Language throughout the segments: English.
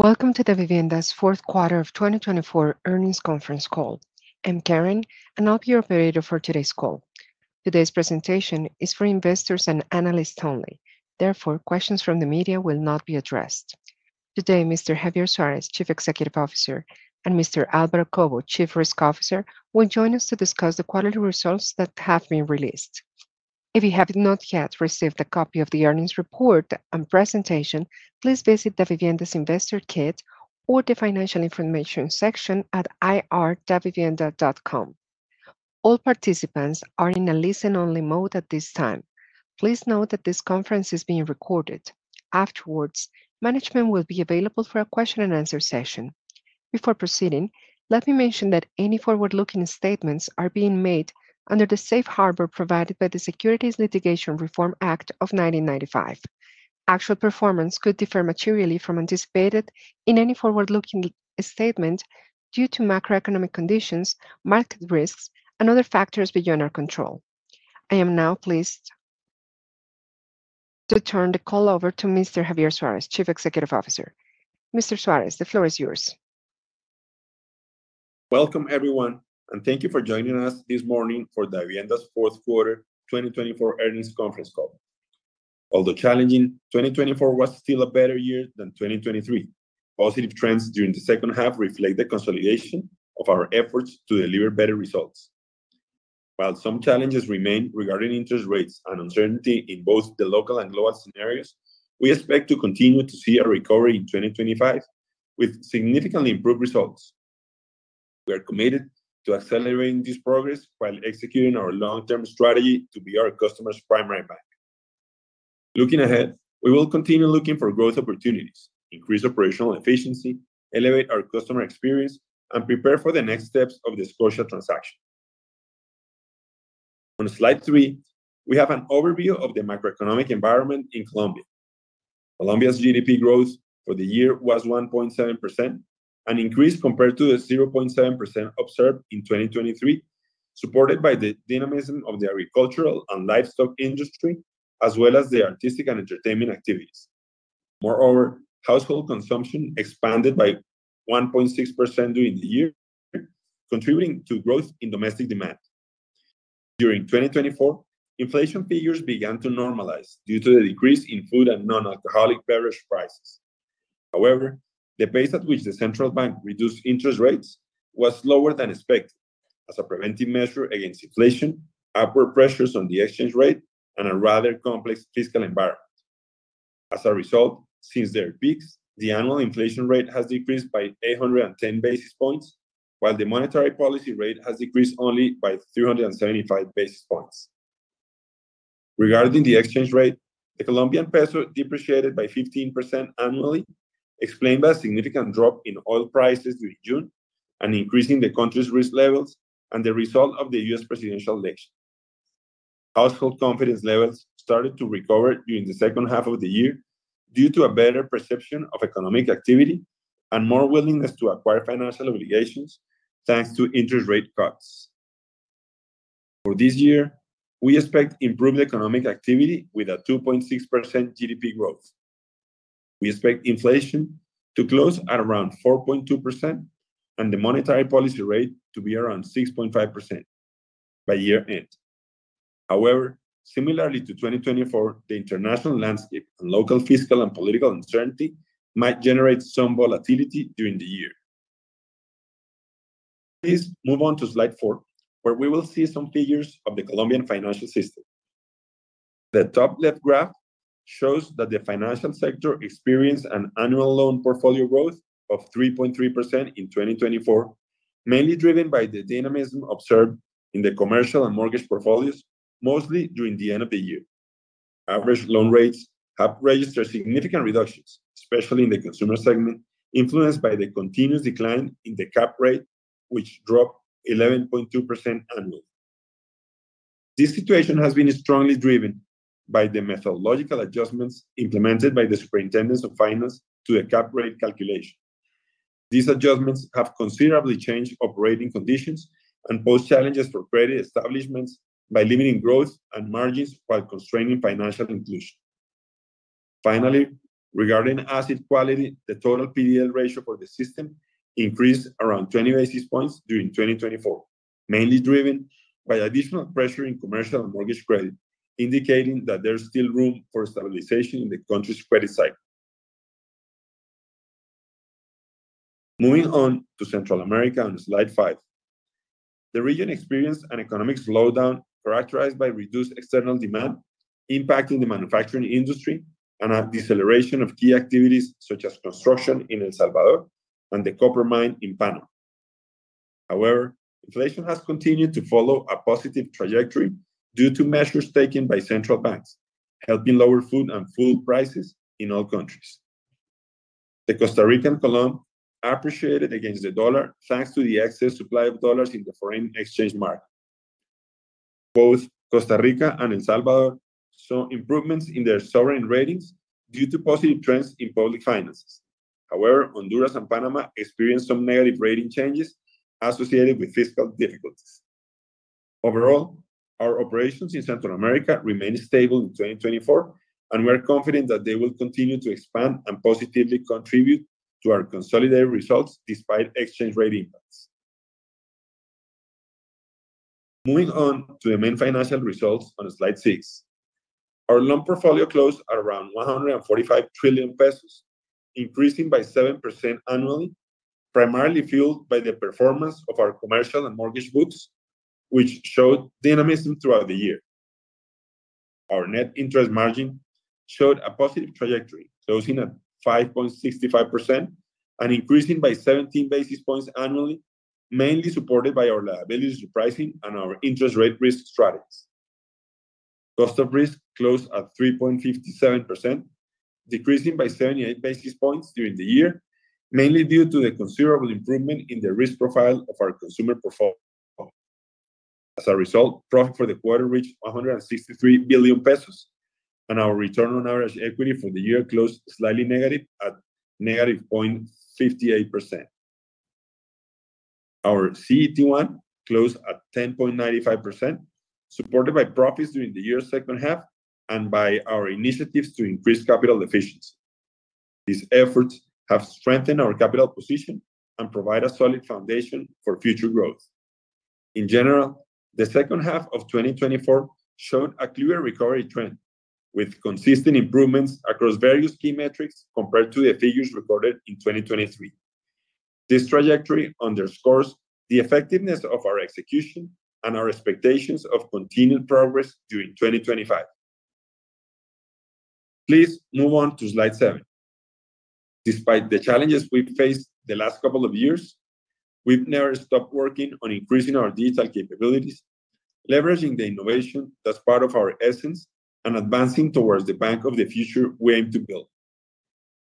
Welcome to Davivienda's fourth quarter of 2024 earnings conference call. I'm Karen, and I'll be your operator for today's call. Today's presentation is for investors and analysts only. Therefore, questions from the media will not be addressed. Today, Mr. Javier Suárez, Chief Executive Officer, and Mr. Álvaro Cobo, Chief Risk Officer, will join us to discuss the quarterly results that have been released. If you have not yet received a copy of the earnings report and presentation, please visit Davivienda's Investor Kit or the Financial Information section at irdavienda.com. All participants are in a listen-only mode at this time. Please note that this conference is being recorded. Afterwards, management will be available for a question-and-answer session. Before proceeding, let me mention that any forward-looking statements are being made under the safe harbor provided by the Securities Litigation Reform Act of 1995. Actual performance could differ materially from anticipated in any forward-looking statement due to macroeconomic conditions, market risks, and other factors beyond our control. I am now pleased to turn the call over to Mr. Javier Suárez, Chief Executive Officer. Mr. Suárez, the floor is yours. Welcome, everyone, and thank you for joining us this morning for Davivienda's fourth quarter 2024 earnings conference call. Although challenging, 2024 was still a better year than 2023. Positive trends during the second half reflect the consolidation of our efforts to deliver better results. While some challenges remain regarding interest rates and uncertainty in both the local and global scenarios, we expect to continue to see a recovery in 2025 with significantly improved results. We are committed to accelerating this progress while executing our long-term strategy to be our customer's primary bank. Looking ahead, we will continue looking for growth opportunities, increase operational efficiency, elevate our customer experience, and prepare for the next steps of this crucial transaction. On slide three, we have an overview of the macroeconomic environment in Colombia. Colombia's GDP growth for the year was 1.7%, an increase compared to the 0.7% observed in 2023, supported by the dynamism of the agricultural and livestock industry, as well as the artistic and entertainment activities. Moreover, household consumption expanded by 1.6% during the year, contributing to growth in domestic demand. During 2024, inflation figures began to normalize due to the decrease in food and non-alcoholic beverage prices. However, the pace at which the central bank reduced interest rates was slower than expected, as a preventive measure against inflation, upward pressures on the exchange rate, and a rather complex fiscal environment. As a result, since their peaks, the annual inflation rate has decreased by 810 basis points, while the monetary policy rate has decreased only by 375 basis points. Regarding the exchange rate, the Colombian peso depreciated by 15% annually, explained by a significant drop in oil prices during June and increasing the country's risk levels and the result of the U.S. presidential election. Household confidence levels started to recover during the second half of the year due to a better perception of economic activity and more willingness to acquire financial obligations thanks to interest rate cuts. For this year, we expect improved economic activity with a 2.6% GDP growth. We expect inflation to close at around 4.2% and the monetary policy rate to be around 6.5% by year-end. However, similarly to 2024, the international landscape and local fiscal and political uncertainty might generate some volatility during the year. Please move on to slide four, where we will see some figures of the Colombian financial system. The top-left graph shows that the financial sector experienced an annual loan portfolio growth of 3.3% in 2024, mainly driven by the dynamism observed in the commercial and mortgage portfolios, mostly during the end of the year. Average loan rates have registered significant reductions, especially in the consumer segment, influenced by the continuous decline in the cap rate, which dropped 11.2% annually. This situation has been strongly driven by the methodological adjustments implemented by the Superintendent of Finance to the cap rate calculation. These adjustments have considerably changed operating conditions and pose challenges for credit establishments by limiting growth and margins while constraining financial inclusion. Finally, regarding asset quality, the total PDL ratio for the system increased around 20 basis points during 2024, mainly driven by additional pressure in commercial and mortgage credit, indicating that there's still room for stabilization in the country's credit cycle. Moving on to Central America on slide five, the region experienced an economic slowdown characterized by reduced external demand impacting the manufacturing industry and a deceleration of key activities such as construction in El Salvador and the copper mine in Panama. However, inflation has continued to follow a positive trajectory due to measures taken by central banks, helping lower food prices in all countries. The Costa Rican colón appreciated against the dollar thanks to the excess supply of dollars in the foreign exchange market. Both Costa Rica and El Salvador saw improvements in their sovereign ratings due to positive trends in public finances. However, Honduras and Panama experienced some negative rating changes associated with fiscal difficulties. Overall, our operations in Central America remained stable in 2024, and we are confident that they will continue to expand and positively contribute to our consolidated results despite exchange rate impacts. Moving on to the main financial results on slide six, our loan portfolio closed at around COP 145 trillion, increasing by 7% annually, primarily fueled by the performance of our commercial and mortgage books, which showed dynamism throughout the year. Our net interest margin showed a positive trajectory, closing at 5.65% and increasing by 17 basis points annually, mainly supported by our liabilities repricing and our interest rate risk strategies. Cost of risk closed at 3.57%, decreasing by 78 basis points during the year, mainly due to the considerable improvement in the risk profile of our consumer portfolio. As a result, profit for the quarter reached 163 billion COP, and our return on average equity for the year closed slightly negative at negative 0.58%. Our CET1 closed at 10.95%, supported by profits during the year's second half and by our initiatives to increase capital efficiency. These efforts have strengthened our capital position and provide a solid foundation for future growth. In general, the second half of 2024 showed a clear recovery trend, with consistent improvements across various key metrics compared to the figures recorded in 2023. This trajectory underscores the effectiveness of our execution and our expectations of continued progress during 2025. Please move on to slide seven. Despite the challenges we've faced the last couple of years, we've never stopped working on increasing our digital capabilities, leveraging the innovation that's part of our essence, and advancing towards the bank of the future we aim to build.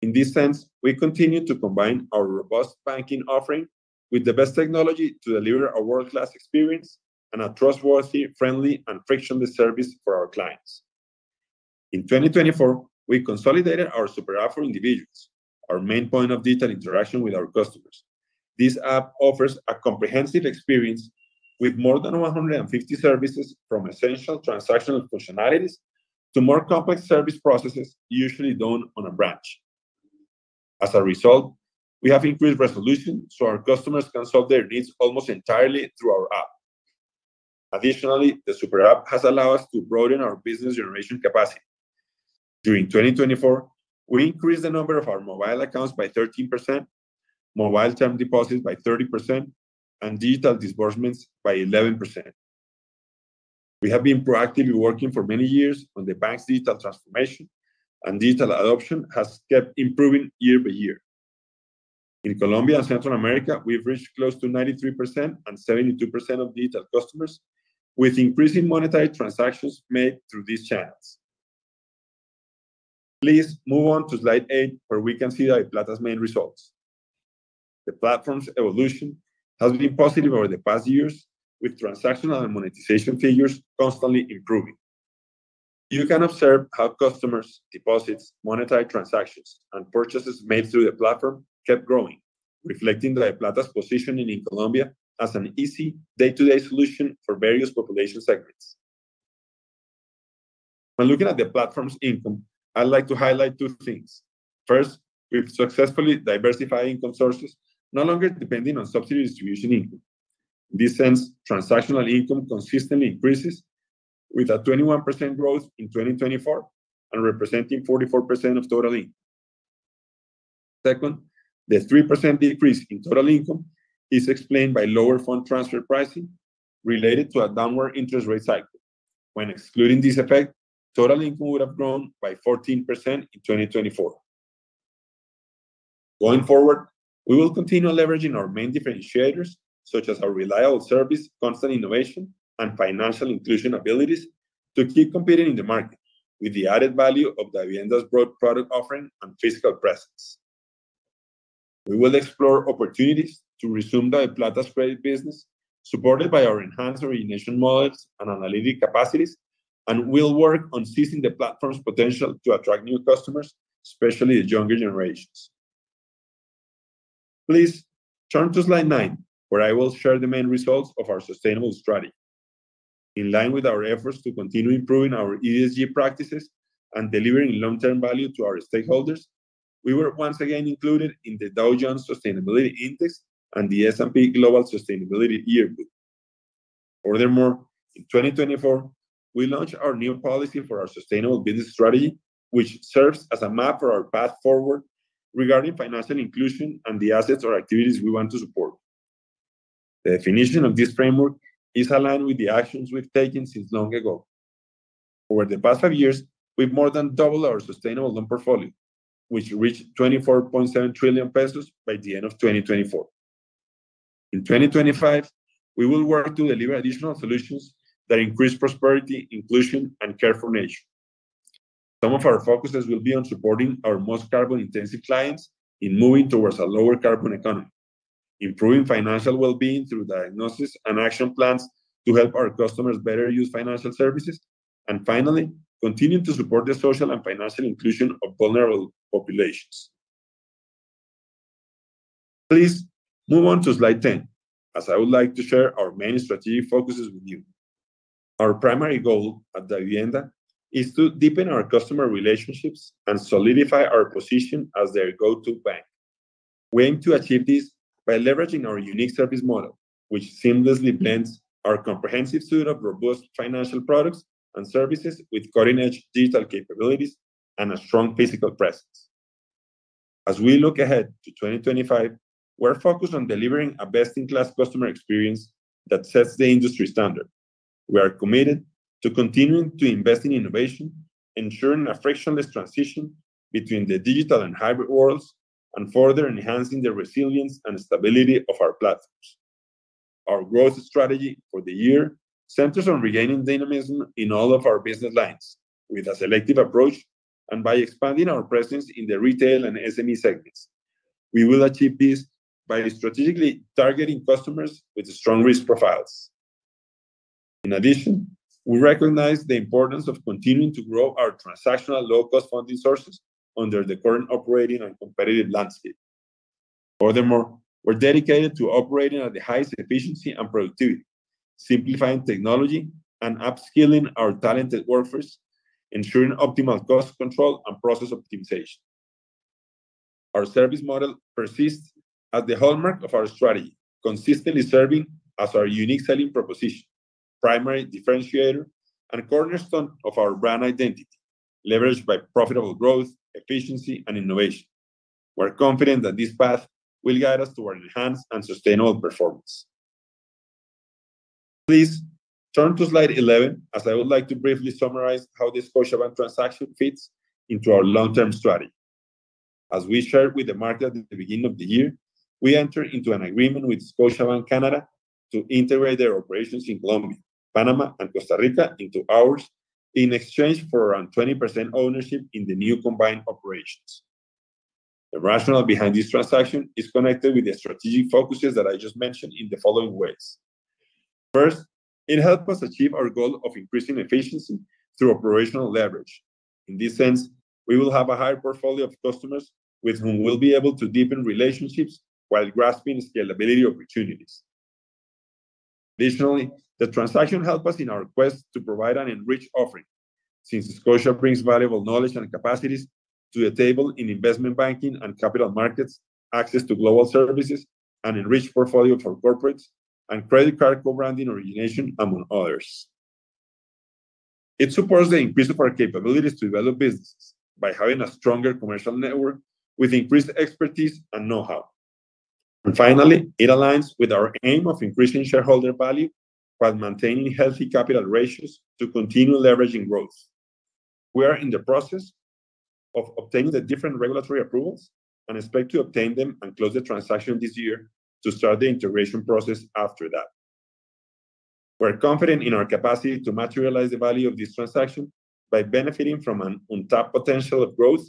In this sense, we continue to combine our robust banking offering with the best technology to deliver a world-class experience and a trustworthy, friendly, and frictionless service for our clients. In 2024, we consolidated our super app for individuals, our main point of digital interaction with our customers. This app offers a comprehensive experience with more than 150 services, from essential transactional functionalities to more complex service processes usually done on a branch. As a result, we have increased resolution so our customers can solve their needs almost entirely through our app. Additionally, the super app has allowed us to broaden our business generation capacity. During 2024, we increased the number of our mobile accounts by 13%, mobile term deposits by 30%, and digital disbursements by 11%. We have been proactively working for many years on the bank's digital transformation, and digital adoption has kept improving year by year. In Colombia and Central America, we've reached close to 93% and 72% of digital customers, with increasing monetary transactions made through these channels. Please move on to slide eight, where we can see DaviPlata's main results. The platform's evolution has been positive over the past years, with transactional and monetization figures constantly improving. You can observe how customers, deposits, monetary transactions, and purchases made through the platform kept growing, reflecting DaviPlata's position in Colombia as an easy day-to-day solution for various population segments. When looking at the platform's income, I'd like to highlight two things. First, we've successfully diversified income sources, no longer depending on subsidy distribution income. In this sense, transactional income consistently increases, with a 21% growth in 2024 and representing 44% of total income. Second, the 3% decrease in total income is explained by lower fund transfer pricing related to a downward interest rate cycle. When excluding this effect, total income would have grown by 14% in 2024. Going forward, we will continue leveraging our main differentiators, such as our reliable service, constant innovation, and financial inclusion abilities, to keep competing in the market with the added value of Davivienda's broad product offering and fiscal presence. We will explore opportunities to resume DaviPlata's credit business, supported by our enhanced origination models and analytic capacities, and we'll work on seizing the platform's potential to attract new customers, especially the younger generations. Please turn to slide nine, where I will share the main results of our sustainable strategy. In line with our efforts to continue improving our ESG practices and delivering long-term value to our stakeholders, we were once again included in the Dow Jones Sustainability Index and the S&P Global Sustainability Yearbook. Furthermore, in 2024, we launched our new policy for our sustainable business strategy, which serves as a map for our path forward regarding financial inclusion and the assets or activities we want to support. The definition of this framework is aligned with the actions we've taken since long ago. Over the past five years, we've more than doubled our sustainable loan portfolio, which reached COP 24.7 trillion by the end of 2024. In 2025, we will work to deliver additional solutions that increase prosperity, inclusion, and care for nation. Some of our focuses will be on supporting our most carbon-intensive clients in moving towards a lower carbon economy, improving financial well-being through diagnosis and action plans to help our customers better use financial services, and finally, continuing to support the social and financial inclusion of vulnerable populations. Please move on to slide 10, as I would like to share our main strategic focuses with you. Our primary goal at Davivienda is to deepen our customer relationships and solidify our position as their go-to bank. We aim to achieve this by leveraging our unique service model, which seamlessly blends our comprehensive suite of robust financial products and services with cutting-edge digital capabilities and a strong physical presence. As we look ahead to 2025, we're focused on delivering a best-in-class customer experience that sets the industry standard. We are committed to continuing to invest in innovation, ensuring a frictionless transition between the digital and hybrid worlds, and further enhancing the resilience and stability of our platforms. Our growth strategy for the year centers on regaining dynamism in all of our business lines with a selective approach, and by expanding our presence in the retail and SME segments. We will achieve this by strategically targeting customers with strong risk profiles. In addition, we recognize the importance of continuing to grow our transactional low-cost funding sources under the current operating and competitive landscape. Furthermore, we're dedicated to operating at the highest efficiency and productivity, simplifying technology and upskilling our talented workforce, ensuring optimal cost control and process optimization. Our service model persists as the hallmark of our strategy, consistently serving as our unique selling proposition, primary differentiator, and cornerstone of our brand identity, leveraged by profitable growth, efficiency, and innovation. We're confident that this path will guide us toward enhanced and sustainable performance. Please turn to slide 11, as I would like to briefly summarize how this Scotiabank transaction fits into our long-term strategy. As we shared with the market at the beginning of the year, we entered into an agreement with Scotiabank Canada to integrate their operations in Colombia, Panama, and Costa Rica into ours in exchange for around 20% ownership in the new combined operations. The rationale behind this transaction is connected with the strategic focuses that I just mentioned in the following ways. First, it helped us achieve our goal of increasing efficiency through operational leverage. In this sense, we will have a higher portfolio of customers with whom we'll be able to deepen relationships while grasping scalability opportunities. Additionally, the transaction helped us in our quest to provide an enriched offering since Scotia brings valuable knowledge and capacities to the table in investment banking and capital markets, access to global services, an enriched portfolio for corporates, and credit card co-branding origination, among others. It supports the increase of our capabilities to develop businesses by having a stronger commercial network with increased expertise and know-how. And finally, it aligns with our aim of increasing shareholder value while maintaining healthy capital ratios to continue leveraging growth. We are in the process of obtaining the different regulatory approvals and expect to obtain them and close the transaction this year to start the integration process after that. We're confident in our capacity to materialize the value of this transaction by benefiting from an untapped potential of growth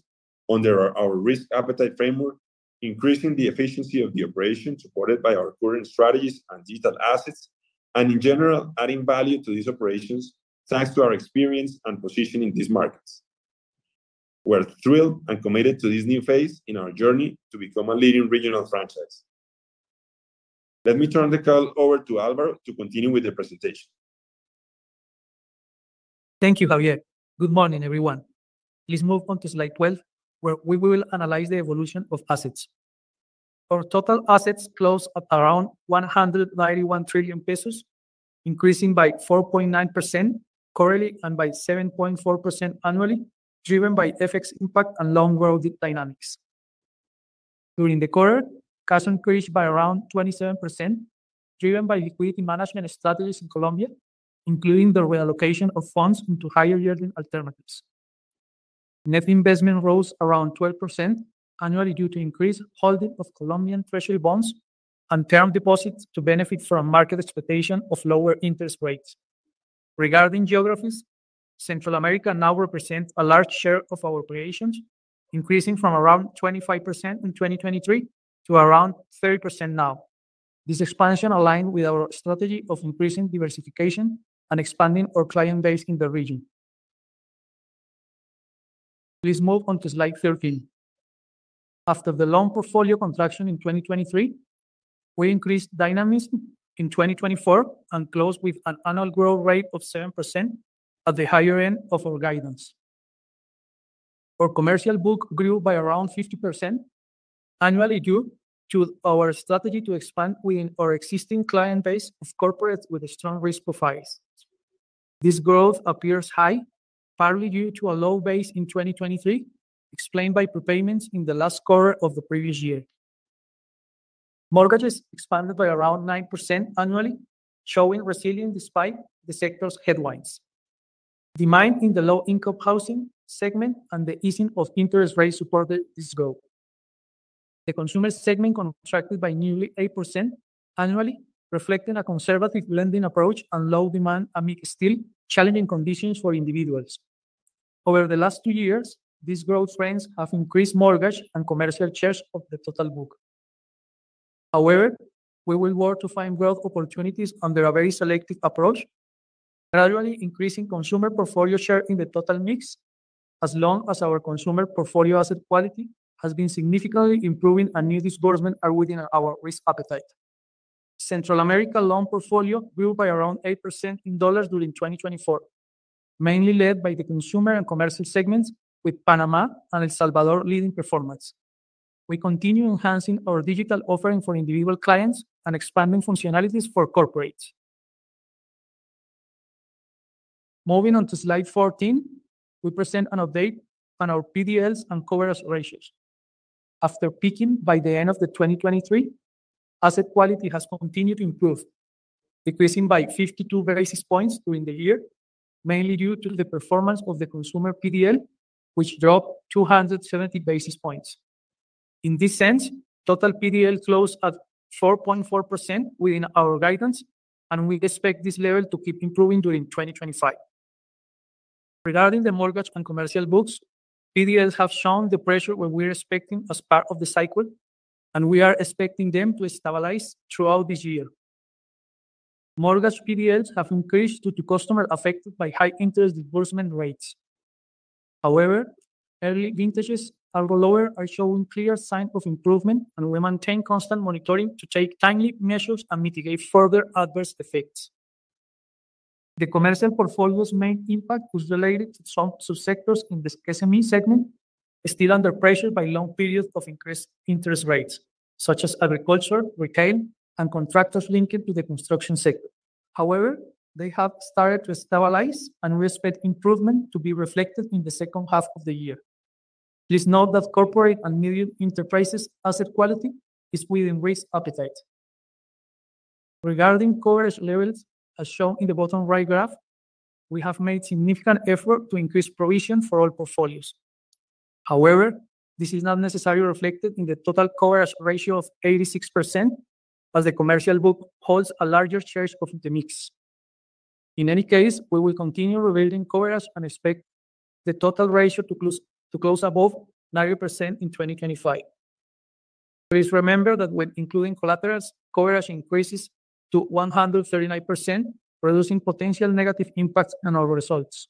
under our risk appetite framework, increasing the efficiency of the operation supported by our current strategies and digital assets, and in general, adding value to these operations thanks to our experience and position in these markets. We're thrilled and committed to this new phase in our journey to become a leading regional franchise. Let me turn the call over to Álvaro to continue with the presentation. Thank you, Javier. Good morning, everyone. Please move on to slide 12, where we will analyze the evolution of assets. Our total assets close at around COP 191 trillion, increasing by 4.9% quarterly and by 7.4% annually, driven by FX impact and long-world dynamics. During the quarter, cash increased by around 27%, driven by liquidity management strategies in Colombia, including the reallocation of funds into higher-yielding alternatives. Net investment rose around 12% annually due to increased holding of Colombian treasury bonds and term deposits to benefit from market expectation of lower interest rates. Regarding geographies, Central America now represents a large share of our assets, increasing from around 25% in 2023 to around 30% now. This expansion aligned with our strategy of increasing diversification and expanding our client base in the region. Please move on to slide 13. After the long portfolio contraction in 2023, we increased dynamism in 2024 and closed with an annual growth rate of 7% at the higher end of our guidance. Our commercial book grew by around 50% annually due to our strategy to expand within our existing client base of corporates with strong risk profiles. This growth appears high, partly due to a low base in 2023, explained by prepayments in the last quarter of the previous year. Mortgages expanded by around 9% annually, showing resilience despite the sector's headwinds. Demand in the low-income housing segment and the easing of interest rates supported this growth. The consumer segment contracted by nearly 8% annually, reflecting a conservative lending approach and low demand amid still challenging conditions for individuals. Over the last two years, these growth trends have increased mortgage and commercial shares of the total book. However, we will work to find growth opportunities under a very selective approach, gradually increasing consumer portfolio share in the total mix, as long as our consumer portfolio asset quality has been significantly improving and new disbursements are within our risk appetite. Central America loan portfolio grew by around 8% in dollars during 2024, mainly led by the consumer and commercial segments, with Panama and El Salvador leading performance. We continue enhancing our digital offering for individual clients and expanding functionalities for corporates. Moving on to slide 14, we present an update on our PDLs and coverage ratios. After peaking by the end of 2023, asset quality has continued to improve, decreasing by 52 basis points during the year, mainly due to the performance of the consumer PDL, which dropped 270 basis points. In this sense, total PDL closed at 4.4% within our guidance, and we expect this level to keep improving during 2025. Regarding the mortgage and commercial books, PDLs have shown the pressure we're expecting as part of the cycle, and we are expecting them to stabilize throughout this year. Mortgage PDLs have increased due to customers affected by high-interest disbursement rates. However, early vintages and lower are showing clear signs of improvement, and we maintain constant monitoring to take timely measures and mitigate further adverse effects. The commercial portfolio's main impact was related to some subsectors in the SME segment still under pressure by long periods of increased interest rates, such as agriculture, retail, and contractors linked to the construction sector. However, they have started to stabilize, and we expect improvement to be reflected in the second half of the year. Please note that corporate and medium enterprises' asset quality is within risk appetite. Regarding coverage levels, as shown in the bottom right graph, we have made significant efforts to increase provision for all portfolios. However, this is not necessarily reflected in the total coverage ratio of 86%, as the commercial book holds a larger share of the mix. In any case, we will continue rebuilding coverage and expect the total ratio to close above 90% in 2025. Please remember that when including collaterals, coverage increases to 139%, producing potential negative impacts on our results.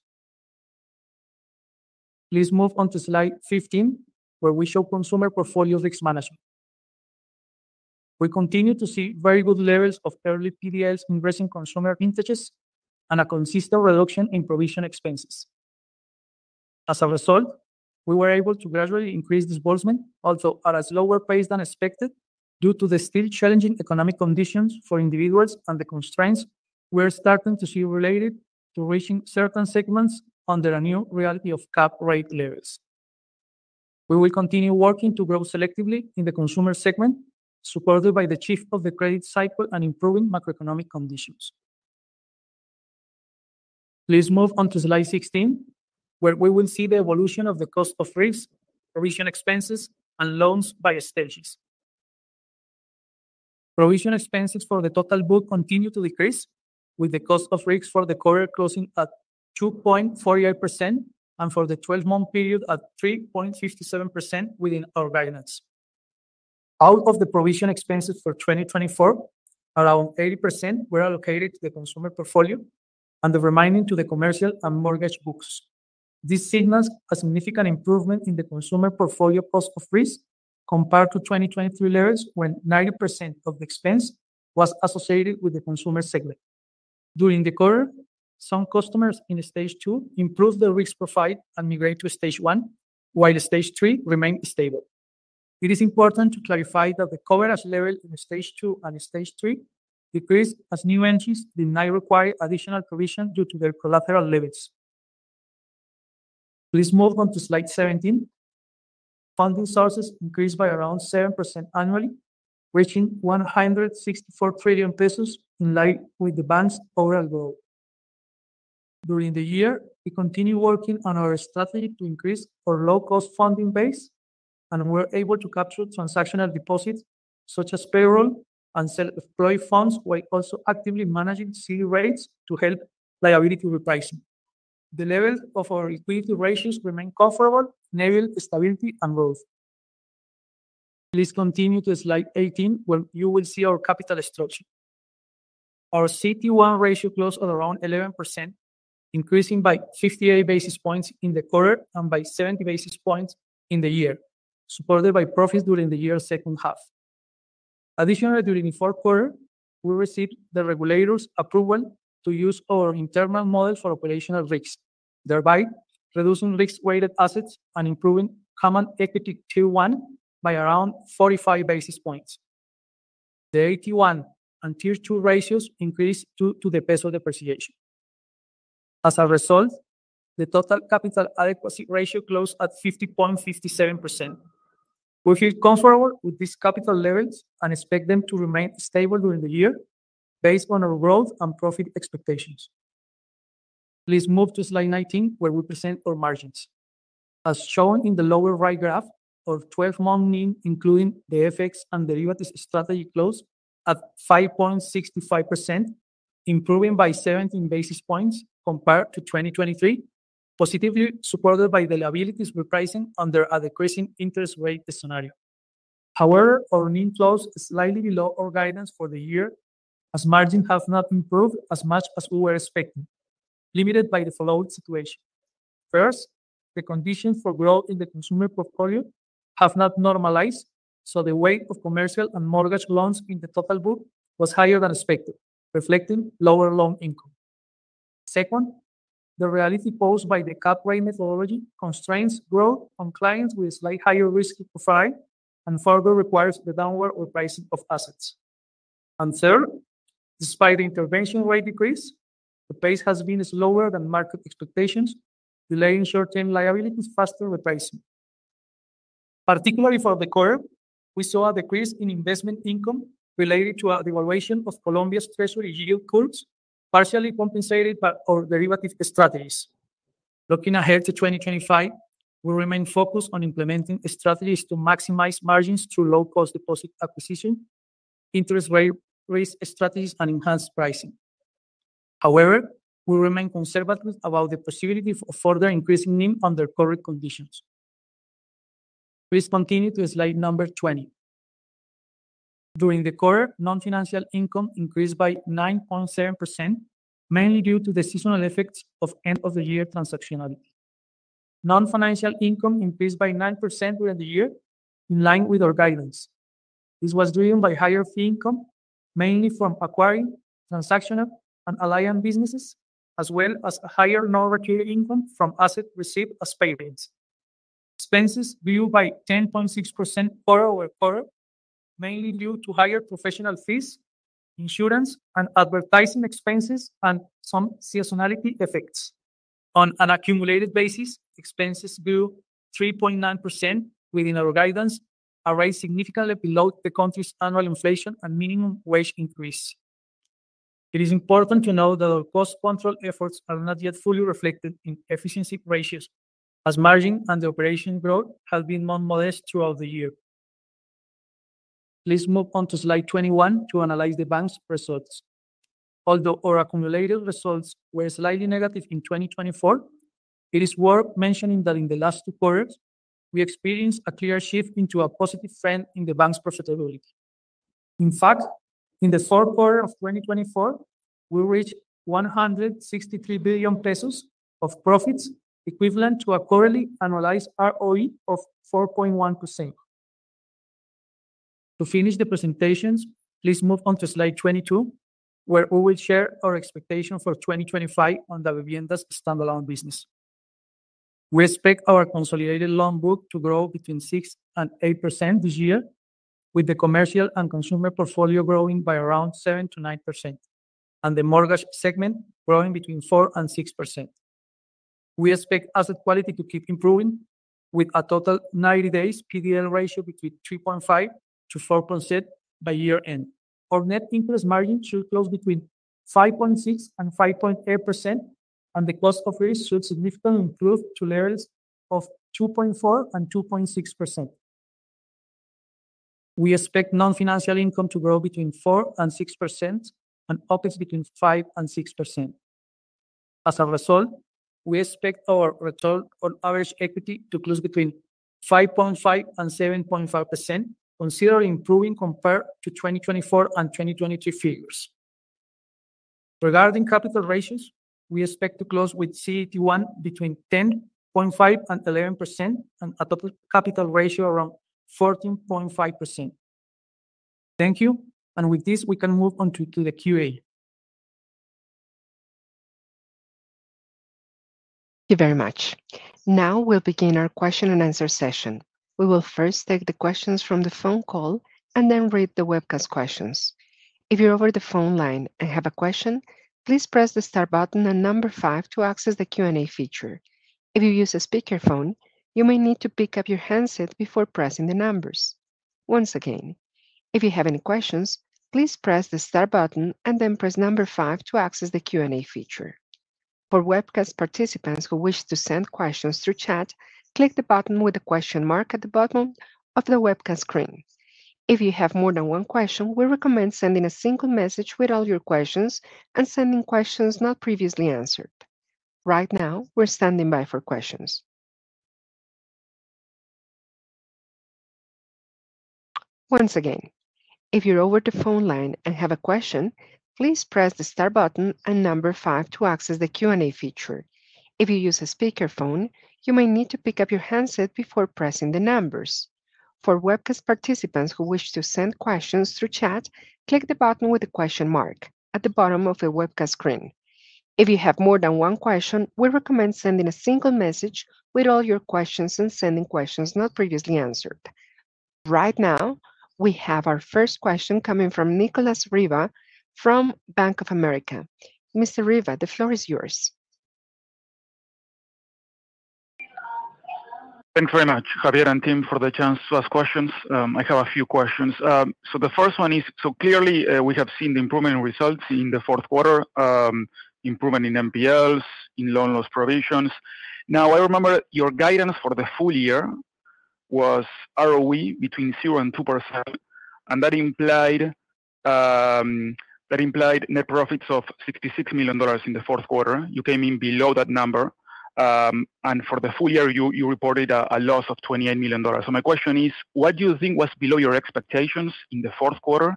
Please move on to slide 15, where we show consumer portfolio risk management. We continue to see very good levels of early PDLs in rising consumer vintages and a consistent reduction in provision expenses. As a result, we were able to gradually increase disbursement, although at a slower pace than expected due to the still challenging economic conditions for individuals and the constraints we're starting to see related to reaching certain segments under a new reality of cap rate levels. We will continue working to grow selectively in the consumer segment, supported by the shift of the credit cycle and improving macroeconomic conditions. Please move on to slide 16, where we will see the evolution of the cost of risk, provision expenses, and loans by stages. Provision expenses for the total book continue to decrease, with the cost of risk for the quarter closing at 2.48% and for the 12-month period at 3.57% within our guidance. Out of the provision expenses for 2024, around 80% were allocated to the consumer portfolio and the remaining to the commercial and mortgage books. This signals a significant improvement in the consumer portfolio cost of risk compared to 2023 levels, when 90% of the expense was associated with the consumer segment. During the quarter, some customers in stage two improved their risk profile and migrated to stage one, while stage three remained stable. It is important to clarify that the coverage level in stage two and stage three decreased as new entries did not require additional provision due to their collateral levels. Please move on to slide 17. Funding sources increased by around 7% annually, reaching COP 164 trillion in line with the bank's overall growth. During the year, we continued working on our strategy to increase our low-cost funding base, and we were able to capture transactional deposits such as payroll and self-employed funds while also actively managing CRE rates to help liability repricing. The levels of our liquidity ratios remain comfortable, enabling stability and growth. Please continue to slide 18, where you will see our capital structure. Our CET1 ratio closed at around 11%, increasing by 58 basis points in the quarter and by 70 basis points in the year, supported by profits during the year's second half. Additionally, during the fourth quarter, we received the regulator's approval to use our internal model for operational risk, thereby reducing risk-weighted assets and improving common equity Tier 1 by around 45 basis points. The AT1 and Tier 2 ratios increased due to the peso depreciation. As a result, the total capital adequacy ratio closed at 50.57%. We feel comfortable with these capital levels and expect them to remain stable during the year based on our growth and profit expectations. Please move to slide 19, where we present our margins. As shown in the lower right graph, our twelve-month NIM, including the FX and derivatives strategy, closed at 5.65%, improving by 17 basis points compared to 2023, positively supported by the liabilities repricing under a decreasing interest rate scenario. However, our NIM closed slightly below our guidance for the year, as margins have not improved as much as we were expecting, limited by the flow situation. First, the conditions for growth in the consumer portfolio have not normalized, so the weight of commercial and mortgage loans in the total book was higher than expected, reflecting lower loan income. Second, the reality posed by the cap rate methodology constrains growth on clients with a slight higher risk profile and further requires the downward repricing of assets. And third, despite the intervention rate decrease, the pace has been slower than market expectations, delaying short-term liabilities faster repricing. Particularly for the quarter, we saw a decrease in investment income related to the devaluation of Colombia's treasury yield curves, partially compensated by our derivative strategies. Looking ahead to 2025, we remain focused on implementing strategies to maximize margins through low-cost deposit acquisition, interest rate strategies, and enhanced pricing. However, we remain conservative about the possibility of further increasing NIM under current conditions. Please continue to slide number 20. During the quarter, non-financial income increased by 9.7%, mainly due to the seasonal effects of end-of-the-year transactionality. Non-financial income increased by 9% during the year, in line with our guidance. This was driven by higher fee income, mainly from acquiring transactional and alliance businesses, as well as higher non-recurring income from assets received as payments. Expenses grew by 10.6% quarter over quarter, mainly due to higher professional fees, insurance, and advertising expenses, and some seasonality effects. On an accumulated basis, expenses grew 3.9% within our guidance, a rate significantly below the country's annual inflation and minimum wage increase. It is important to note that our cost control efforts are not yet fully reflected in efficiency ratios, as margin and operation growth have been more modest throughout the year. Please move on to slide 21 to analyze the bank's results. Although our accumulated results were slightly negative in 2024, it is worth mentioning that in the last two quarters, we experienced a clear shift into a positive trend in the bank's profitability. In fact, in the fourth quarter of 2024, we reached COP 163 billion of profits, equivalent to a quarterly annualized ROE of 4.1%. To finish the presentations, please move on to slide 22, where we will share our expectations for 2025 on Davivienda's standalone business. We expect our consolidated loan book to grow between 6% and 8% this year, with the commercial and consumer portfolio growing by around 7% to 9%, and the mortgage segment growing between 4% and 6%. We expect asset quality to keep improving, with a total 90-day PDL ratio between 3.5% to 4.7% by year-end. Our net interest margin should close between 5.6% and 5.8%, and the cost of risk should significantly improve to levels of 2.4% and 2.6%. We expect non-financial income to grow between 4% and 6%, and profits between 5% and 6%. As a result, we expect our return on average equity to close between 5.5% and 7.5%, considering improving compared to 2024 and 2023 figures. Regarding capital ratios, we expect to close with CET1 between 10.5% and 11%, and a total capital ratio around 14.5%. Thank you, and with this, we can move on to the Q&A. Thank you very much. Now we'll begin our question-and-answer session. We will first take the questions from the phone call and then read the webcast questions. If you're over the phone line and have a question, please press the star button and 5 to access the Q&A feature. If you use a speakerphone, you may need to pick up your handset before pressing the numbers. Once again, if you have any questions, please press the star button and then press 5 to access the Q&A feature. For webcast participants who wish to send questions through chat, click the button with the question mark at the bottom of the webcast screen. If you have more than one question, we recommend sending a single message with all your questions and sending questions not previously answered. Right now, we're standing by for questions. Once again, if you're over the phone line and have a question, please press the start button and number five to access the Q&A feature. If you use a speakerphone, you may need to pick up your handset before pressing the numbers. For webcast participants who wish to send questions through chat, click the button with the question mark at the bottom of the webcast screen. If you have more than one question, we recommend sending a single message with all your questions and sending questions not previously answered. Right now, we have our first question coming from Nicolas Riva from Bank of America. Mr. Riva, the floor is yours. Thank you very much, Javier and team, for the chance to ask questions. I have a few questions. So the first one is, so clearly we have seen the improvement in results in the fourth quarter, improvement in NPLs, in loan loss provisions. Now, I remember your guidance for the full year was ROE between 0% and 2%, and that implied net profits of $66 million in the fourth quarter. You came in below that number, and for the full year, you reported a loss of $28 million. So my question is, what do you think was below your expectations in the fourth quarter,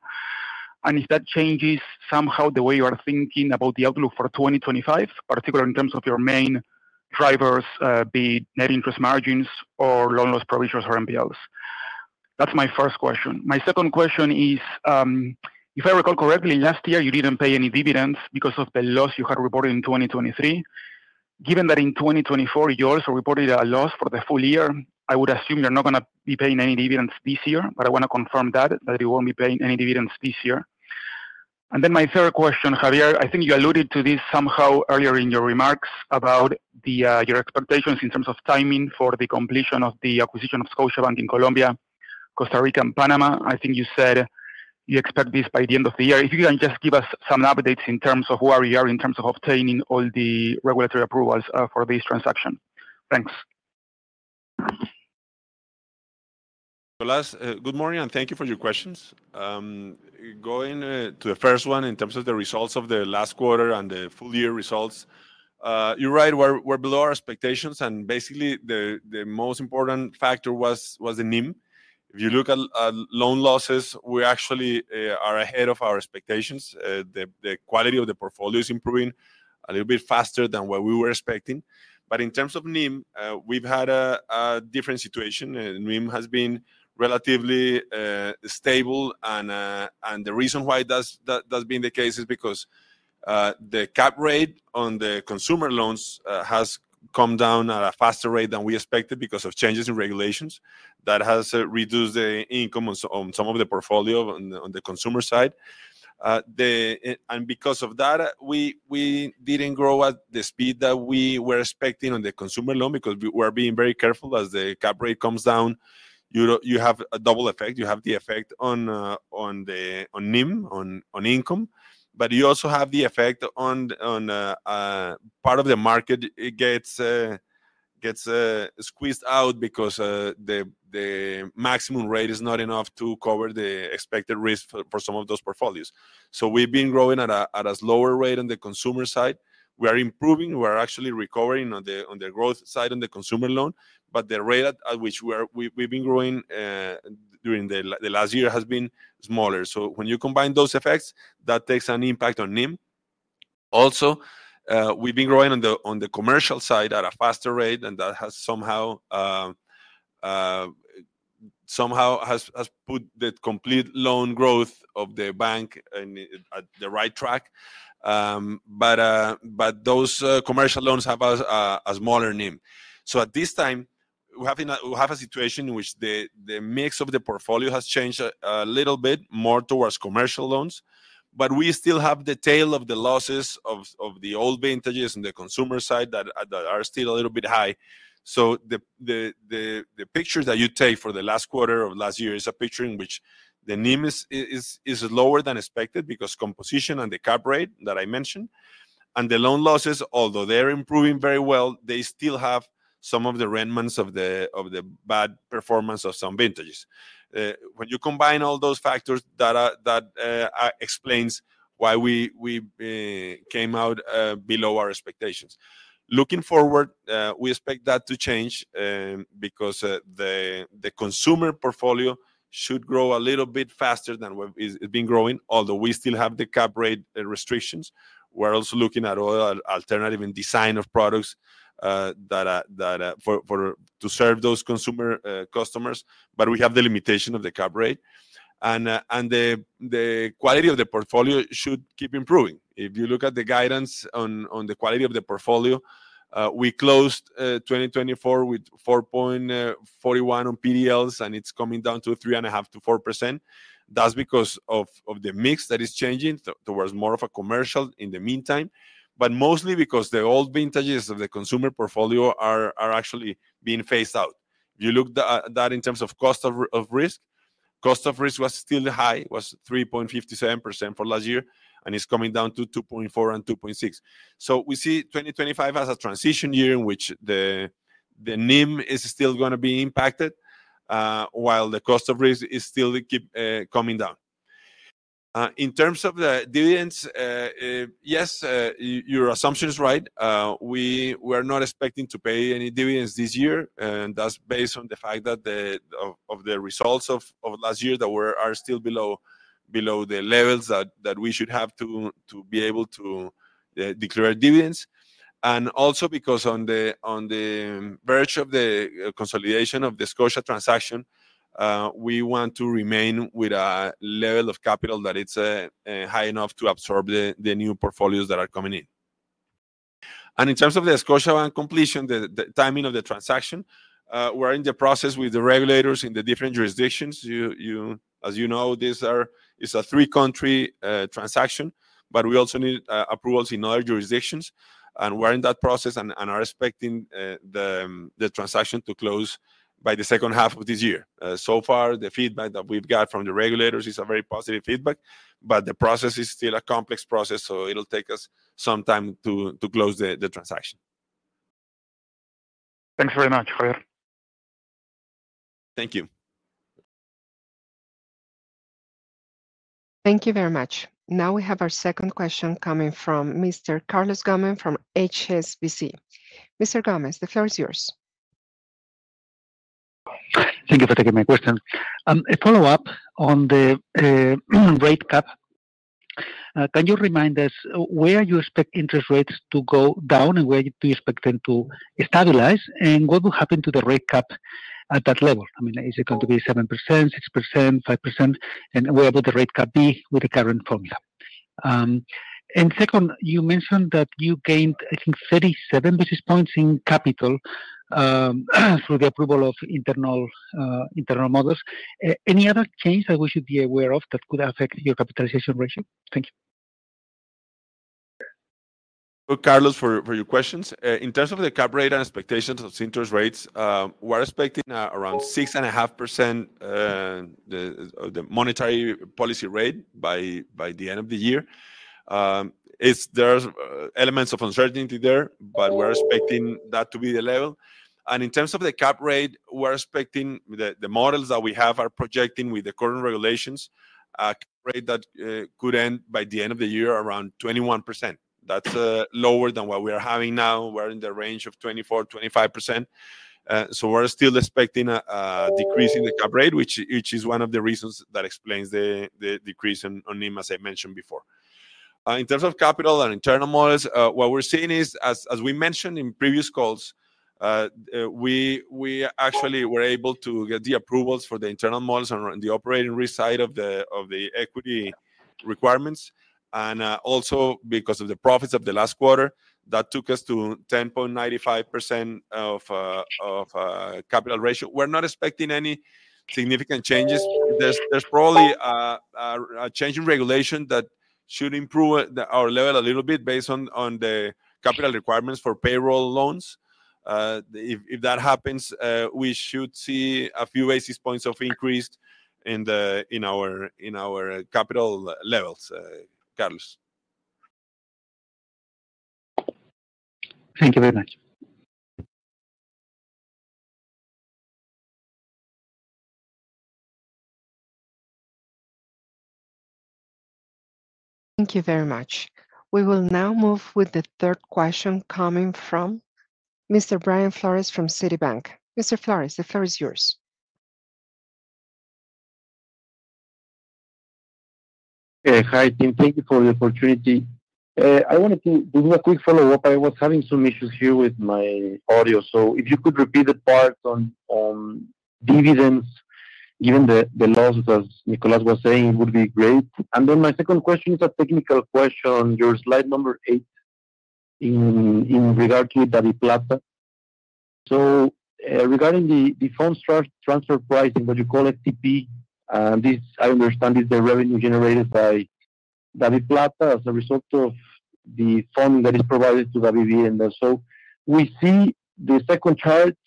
and if that changes somehow the way you are thinking about the outlook for 2025, particularly in terms of your main drivers, be it net interest margins or loan loss provisions or NPLs? That's my first question. My second question is, if I recall correctly, last year you didn't pay any dividends because of the loss you had reported in 2023. Given that in 2024 you also reported a loss for the full year, I would assume you're not going to be paying any dividends this year, but I want to confirm that, that you won't be paying any dividends this year. And then my third question, Javier, I think you alluded to this somehow earlier in your remarks about your expectations in terms of timing for the completion of the acquisition of Scotiabank in Colombia, Costa Rica, and Panama. I think you said you expect this by the end of the year. If you can just give us some updates in terms of where you are in terms of obtaining all the regulatory approvals for this transaction. Thanks. Nicolas, good morning and thank you for your questions. Going to the first one in terms of the results of the last quarter and the full-year results, you're right, we're below our expectations, and basically the most important factor was the NIM. If you look at loan losses, we actually are ahead of our expectations. The quality of the portfolio is improving a little bit faster than what we were expecting, but in terms of NIM, we've had a different situation. NIM has been relatively stable, and the reason why that's been the case is because the cap rate on the consumer loans has come down at a faster rate than we expected because of changes in regulations that have reduced the income on some of the portfolio on the consumer side. And because of that, we didn't grow at the speed that we were expecting on the consumer loan because we're being very careful as the cap rate comes down. You have a double effect. You have the effect on NIM, on income, but you also have the effect on part of the market gets squeezed out because the maximum rate is not enough to cover the expected risk for some of those portfolios. So we've been growing at a slower rate on the consumer side. We are improving. We are actually recovering on the growth side on the consumer loan, but the rate at which we've been growing during the last year has been smaller. So when you combine those effects, that takes an impact on NIM. Also, we've been growing on the commercial side at a faster rate, and that has somehow put the complete loan growth of the bank on the right track. But those commercial loans have a smaller NIM. So at this time, we have a situation in which the mix of the portfolio has changed a little bit more towards commercial loans, but we still have the tail of the losses of the old vintages on the consumer side that are still a little bit high. So the picture that you take for the last quarter of last year is a picture in which the NIM is lower than expected because of composition and the cap rate that I mentioned, and the loan losses, although they're improving very well, they still have some of the remnants of the bad performance of some vintages. When you combine all those factors, that explains why we came out below our expectations. Looking forward, we expect that to change because the consumer portfolio should grow a little bit faster than it's been growing, although we still have the cap rate restrictions. We're also looking at other alternative design of products to serve those consumer customers, but we have the limitation of the cap rate, and the quality of the portfolio should keep improving. If you look at the guidance on the quality of the portfolio, we closed 2024 with 4.41% on PDLs, and it's coming down to 3.5%-4%. That's because of the mix that is changing towards more of a commercial in the meantime, but mostly because the old vintages of the consumer portfolio are actually being phased out. If you look at that in terms of cost of risk, cost of risk was still high, was 3.57% for last year, and it's coming down to 2.4% and 2.6%, so we see 2025 as a transition year in which the NIM is still going to be impacted, while the cost of risk is still coming down. In terms of the dividends, yes, your assumption is right. We are not expecting to pay any dividends this year, and that's based on the fact of the results of last year that are still below the levels that we should have to be able to declare dividends, and also because on the verge of the consolidation of the Scotia transaction, we want to remain with a level of capital that is high enough to absorb the new portfolios that are coming in. And in terms of the Scotiabank completion, the timing of the transaction, we're in the process with the regulators in the different jurisdictions. As you know, this is a three-country transaction, but we also need approvals in other jurisdictions, and we're in that process and are expecting the transaction to close by the second half of this year. So far, the feedback that we've got from the regulators is a very positive feedback, but the process is still a complex process, so it'll take us some time to close the transaction. Thanks very much, Javier. Thank you. Thank you very much. Now we have our second question coming from Mr. Carlos Gomez from HSBC. Mr. Gomez, the floor is yours. Thank you for taking my question. A follow-up on the rate cap. Can you remind us where you expect interest rates to go down and where do you expect them to stabilize, and what will happen to the rate cap at that level? I mean, is it going to be 7%, 6%, 5%, and where would the rate cap be with the current formula? And second, you mentioned that you gained, I think, 37 basis points in capital through the approval of internal models. Any other change that we should be aware of that could affect your capitalization ratio? Thank you. Thank you, Carlos, for your questions. In terms of the cap rate and expectations of interest rates, we're expecting around 6.5% of the monetary policy rate by the end of the year. There are elements of uncertainty there, but we're expecting that to be the level. In terms of the cap rate, we're expecting the models that we have are projecting with the current regulations a cap rate that could end by the end of the year around 21%. That's lower than what we are having now. We're in the range of 24%-25%. So we're still expecting a decrease in the cap rate, which is one of the reasons that explains the decrease on NIM, as I mentioned before. In terms of capital and internal models, what we're seeing is, as we mentioned in previous calls, we actually were able to get the approvals for the internal models on the operating risk side of the equity requirements. And also, because of the profits of the last quarter, that took us to 10.95% of capital ratio. We're not expecting any significant changes. There's probably a change in regulation that should improve our level a little bit based on the capital requirements for payroll loans. If that happens, we should see a few basis points of increase in our capital levels, Carlos. Thank you very much. Thank you very much. We will now move with the third question coming from Mr. Brian Flores from Citibank. Mr. Flores, the floor is yours. Hi, team. Thank you for the opportunity. I wanted to do a quick follow-up. I was having some issues here with my audio. So if you could repeat the part on dividends, given the losses, as Nicolas was saying, it would be great. And then my second question is a technical question on your slide number eight in regard to DaviPlata. So, regarding the fund transfer pricing, what you call FTP, I understand is the revenue generated by DaviPlata as a result of the fund that is provided to Davivienda. So we see the second chart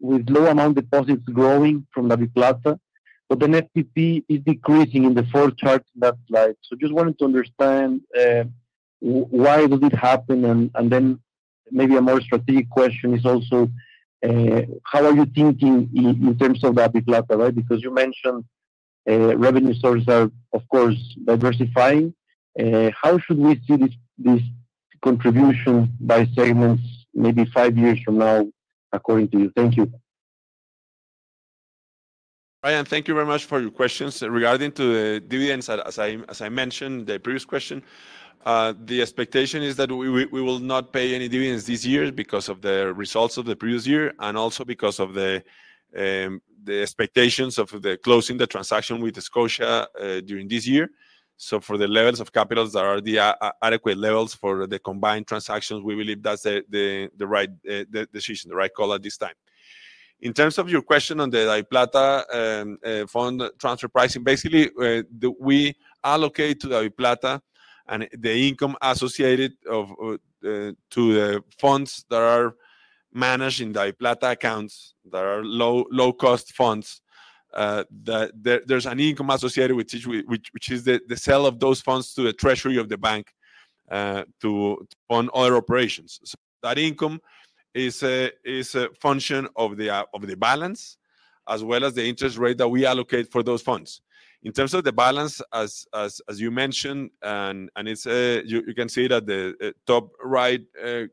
with low amount deposits growing from DaviPlata, but then FTP is decreasing in the fourth chart, that slide. So just wanted to understand why does it happen. And then maybe a more strategic question is also, how are you thinking in terms of DaviPlata, right? Because you mentioned revenue sources are, of course, diversifying. How should we see this contribution by segments maybe five years from now, according to you? Thank you. Brian, thank you very much for your questions. Regarding the dividends, as I mentioned in the previous question, the expectation is that we will not pay any dividends this year because of the results of the previous year and also because of the expectations of closing the transaction with Scotia during this year. For the levels of capitals that are the adequate levels for the combined transactions, we believe that's the right decision, the right call at this time. In terms of your question on the DaviPlata fund transfer pricing, basically, we allocate to DaviPlata and the income associated to the funds that are managed in DaviPlata accounts that are low-cost funds. There's an income associated with each, which is the sale of those funds to the treasury of the bank to fund other operations. So that income is a function of the balance as well as the interest rate that we allocate for those funds. In terms of the balance, as you mentioned, and you can see it at the top right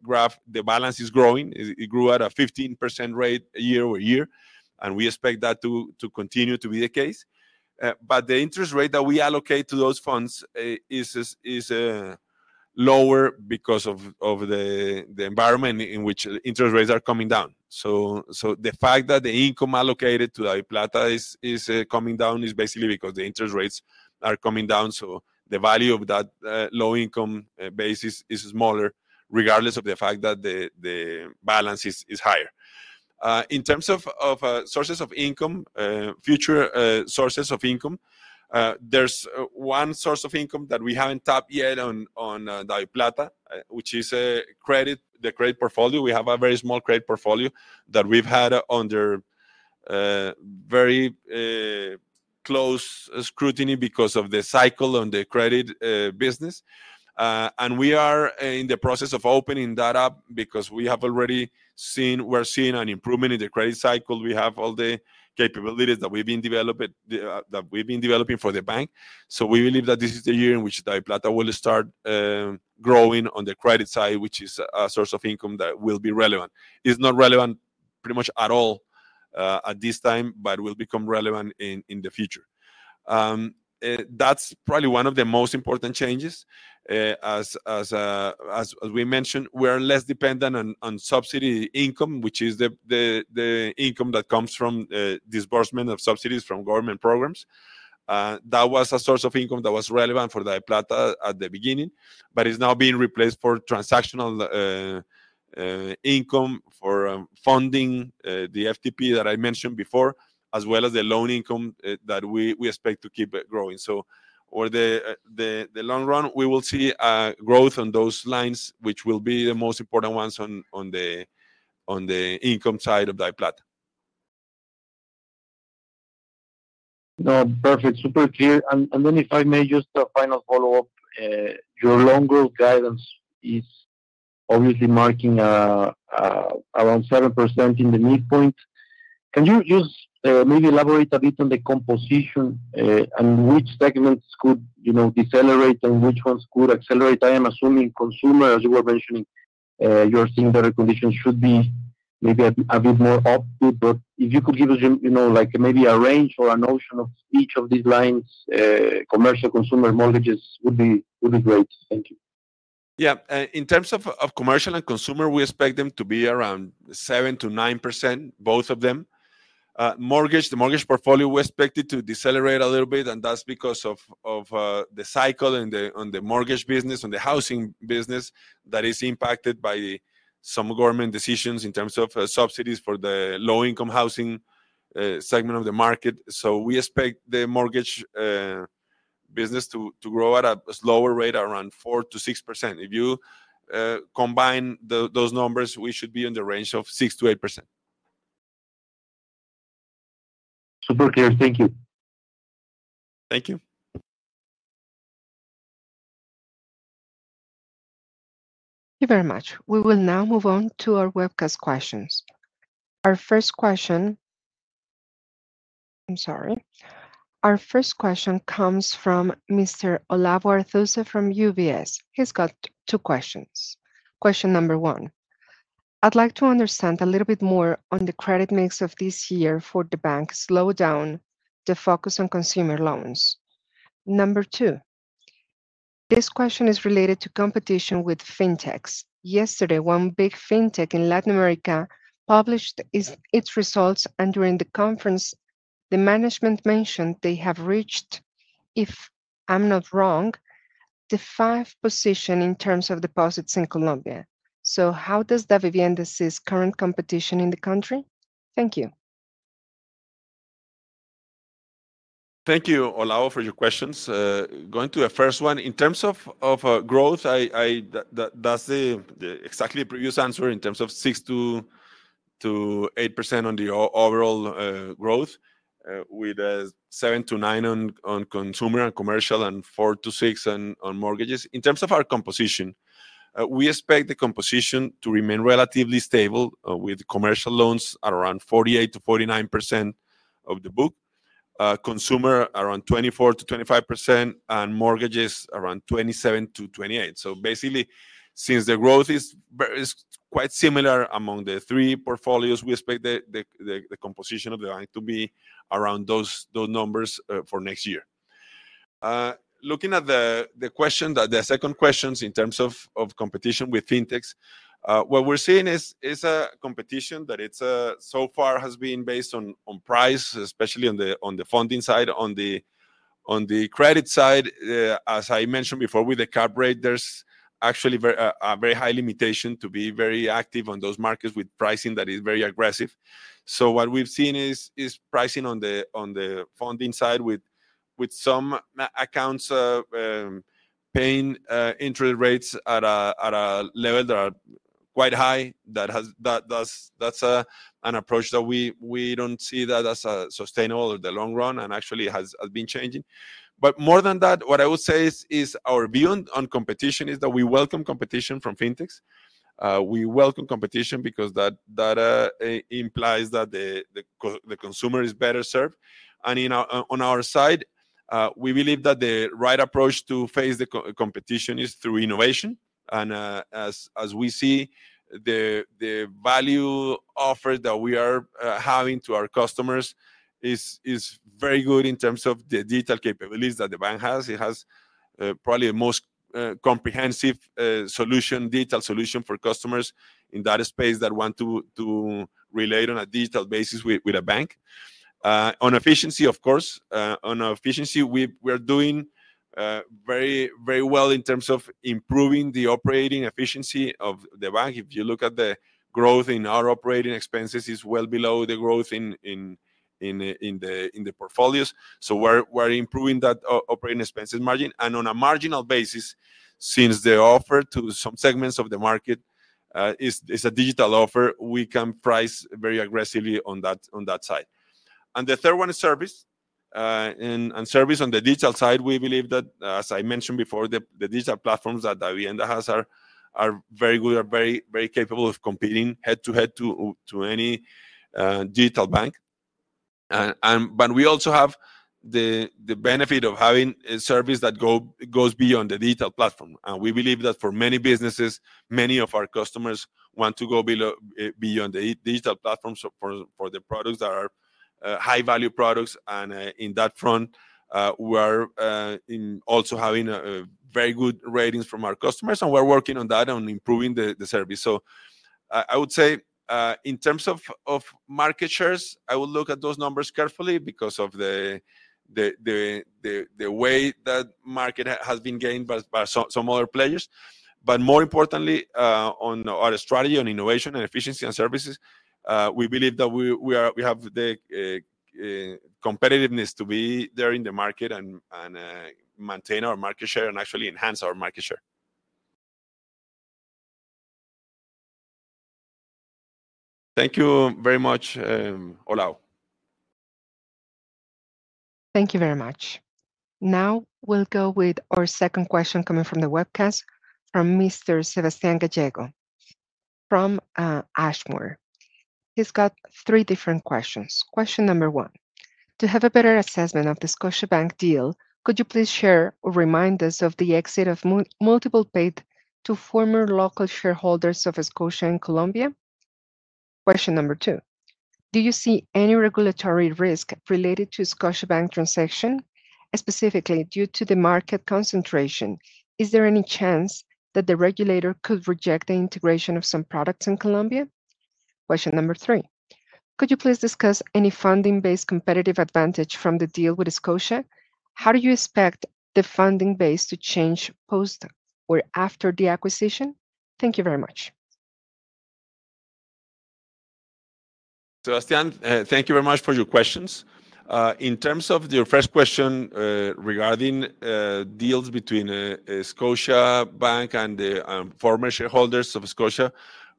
graph, the balance is growing. It grew at a 15% rate year over year, and we expect that to continue to be the case. But the interest rate that we allocate to those funds is lower because of the environment in which interest rates are coming down. So the fact that the income allocated to DaviPlata is coming down is basically because the interest rates are coming down. So the value of that low-income base is smaller regardless of the fact that the balance is higher. In terms of sources of income, future sources of income, there's one source of income that we haven't tapped yet on DaviPlata, which is the credit portfolio. We have a very small credit portfolio that we've had under very close scrutiny because of the cycle on the credit business, and we are in the process of opening that up because we have already seen we're seeing an improvement in the credit cycle. We have all the capabilities that we've been developing for the bank. So we believe that this is the year in which DaviPlata will start growing on the credit side, which is a source of income that will be relevant. It's not relevant pretty much at all at this time, but it will become relevant in the future. That's probably one of the most important changes. As we mentioned, we are less dependent on subsidy income, which is the income that comes from disbursement of subsidies from government programs. That was a source of income that was relevant for DaviPlata at the beginning, but it's now being replaced for transactional income for funding the FTP that I mentioned before, as well as the loan income that we expect to keep growing. So over the long run, we will see growth on those lines, which will be the most important ones on the income side of DaviPlata. No, perfect. Super clear. And then if I may just final follow-up, your long-term guidance is obviously tracking around 7% in the midpoint. Can you just maybe elaborate a bit on the composition and which segments could decelerate and which ones could accelerate? I am assuming consumer, as you were mentioning, you're seeing better conditions should be maybe a bit more up. But if you could give us maybe a range or a notion of each of these lines, commercial, consumer, mortgages would be great. Thank you. Yeah. In terms of commercial and consumer, we expect them to be around 7%-9%, both of them. Mortgage, the mortgage portfolio, we expect it to decelerate a little bit, and that's because of the cycle on the mortgage business, on the housing business that is impacted by some government decisions in terms of subsidies for the low-income housing segment of the market. So we expect the mortgage business to grow at a slower rate, around 4%-6%. If you combine those numbers, we should be in the range of 6%-8%. Super clear. Thank you. Thank you. Thank you very much. We will now move on to our webcast questions. Our first question comes from Mr. Olavo Arthuzo from UBS. He's got two questions. Question number one, I'd like to understand a little bit more on the credit mix of this year for the bank's slowdown, the focus on consumer loans. Number two, this question is related to competition with fintechs. Yesterday, one big fintech in Latin America published its results, and during the conference, the management mentioned they have reached, if I'm not wrong, define position in terms of deposits in Colombia. So how does Davivienda see its current competition in the country? Thank you. Thank you, Olavo, for your questions. Going to the first one. In terms of growth, that's exactly the previous answer in terms of 6%-8% on the overall growth, with 7%-9% on consumer and commercial, and 4%-6% on mortgages. In terms of our composition, we expect the composition to remain relatively stable with commercial loans at around 48%-49% of the book, consumer around 24%-25%, and mortgages around 27%-28%. So basically, since the growth is quite similar among the three portfolios, we expect the composition of the bank to be around those numbers for next year. Looking at the question, the second question in terms of competition with fintechs, what we're seeing is a competition that so far has been based on price, especially on the funding side. On the credit side, as I mentioned before, with the cap rate, there's actually a very high limitation to be very active on those markets with pricing that is very aggressive. So what we've seen is pricing on the funding side with some accounts paying interest rates at a level that are quite high. That's an approach that we don't see that as sustainable in the long run and actually has been changing. But more than that, what I would say is our view on competition is that we welcome competition from fintechs. We welcome competition because that implies that the consumer is better served. And on our side, we believe that the right approach to face the competition is through innovation. And as we see, the value offered that we are having to our customers is very good in terms of the digital capabilities that the bank has. It has probably the most comprehensive digital solution for customers in that space that want to relate on a digital basis with a bank. On efficiency, of course, on efficiency, we are doing very well in terms of improving the operating efficiency of the bank. If you look at the growth in our operating expenses, it's well below the growth in the portfolios, so we're improving that operating expenses margin, and on a marginal basis, since the offer to some segments of the market is a digital offer, we can price very aggressively on that side, and the third one is service, and service on the digital side, we believe that, as I mentioned before, the digital platforms that Davivienda has are very good, are very capable of competing head-to-head to any digital bank. But we also have the benefit of having a service that goes beyond the digital platform. And we believe that for many businesses, many of our customers want to go beyond the digital platform for the products that are high-value products. And in that front, we are also having very good ratings from our customers, and we're working on that and improving the service. So I would say in terms of market shares, I would look at those numbers carefully because of the way that market has been gained by some other players. But more importantly, on our strategy on innovation and efficiency and services, we believe that we have the competitiveness to be there in the market and maintain our market share and actually enhance our market share. Thank you very much, Olavo. Thank you very much. Now we'll go with our second question coming from the webcast from Mr. Sebastián Gallego from Ashmore. He's got three different questions. Question number one, to have a better assessment of the Scotiabank deal, could you please share or remind us of the exit multiple paid to former local shareholders of Scotia in Colombia? Question number two, do you see any regulatory risk related to Scotiabank transaction, specifically due to the market concentration? Is there any chance that the regulator could reject the integration of some products in Colombia? Question number three, could you please discuss any funding-based competitive advantage from the deal with Scotia? How do you expect the funding base to change post or after the acquisition? Thank you very much. Sebastián, thank you very much for your questions. In terms of your first question regarding deals between Scotiabank and the former shareholders of Scotia,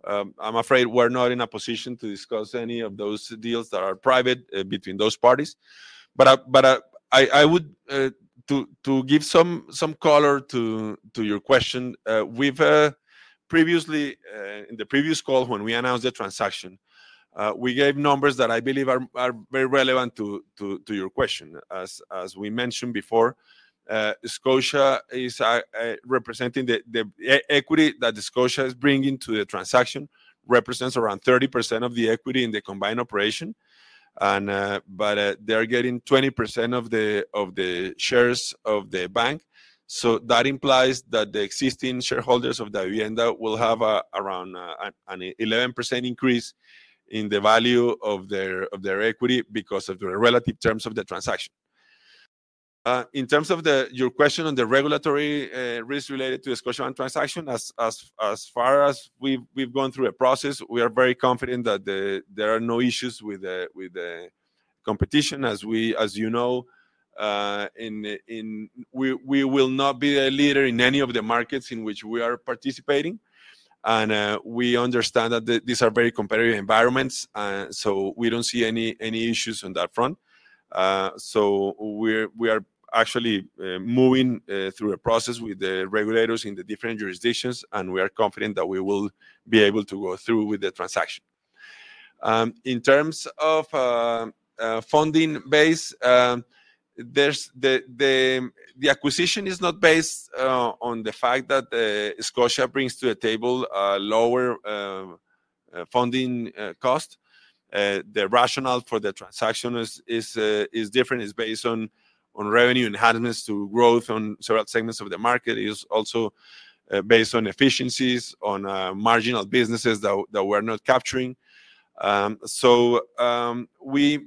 I'm afraid we're not in a position to discuss any of those deals that are private between those parties. But I would like to give some color to your question. In the previous call, when we announced the transaction, we gave numbers that I believe are very relevant to your question. As we mentioned before, Scotia is representing the equity that Scotia is bringing to the transaction, represents around 30% of the equity in the combined operation. But they're getting 20% of the shares of the bank. So that implies that the existing shareholders of Davivienda will have around an 11% increase in the value of their equity because of the relative terms of the transaction. In terms of your question on the regulatory risk related to the Scotiabank transaction, as far as we've gone through a process, we are very confident that there are no issues with the competition. As you know, we will not be a leader in any of the markets in which we are participating, and we understand that these are very competitive environments, so we don't see any issues on that front, so we are actually moving through a process with the regulators in the different jurisdictions, and we are confident that we will be able to go through with the transaction. In terms of funding base, the acquisition is not based on the fact that Scotia brings to the table a lower funding cost. The rationale for the transaction is different. It's based on revenue enhancements to growth on several segments of the market. It's also based on efficiencies, on marginal businesses that we're not capturing. So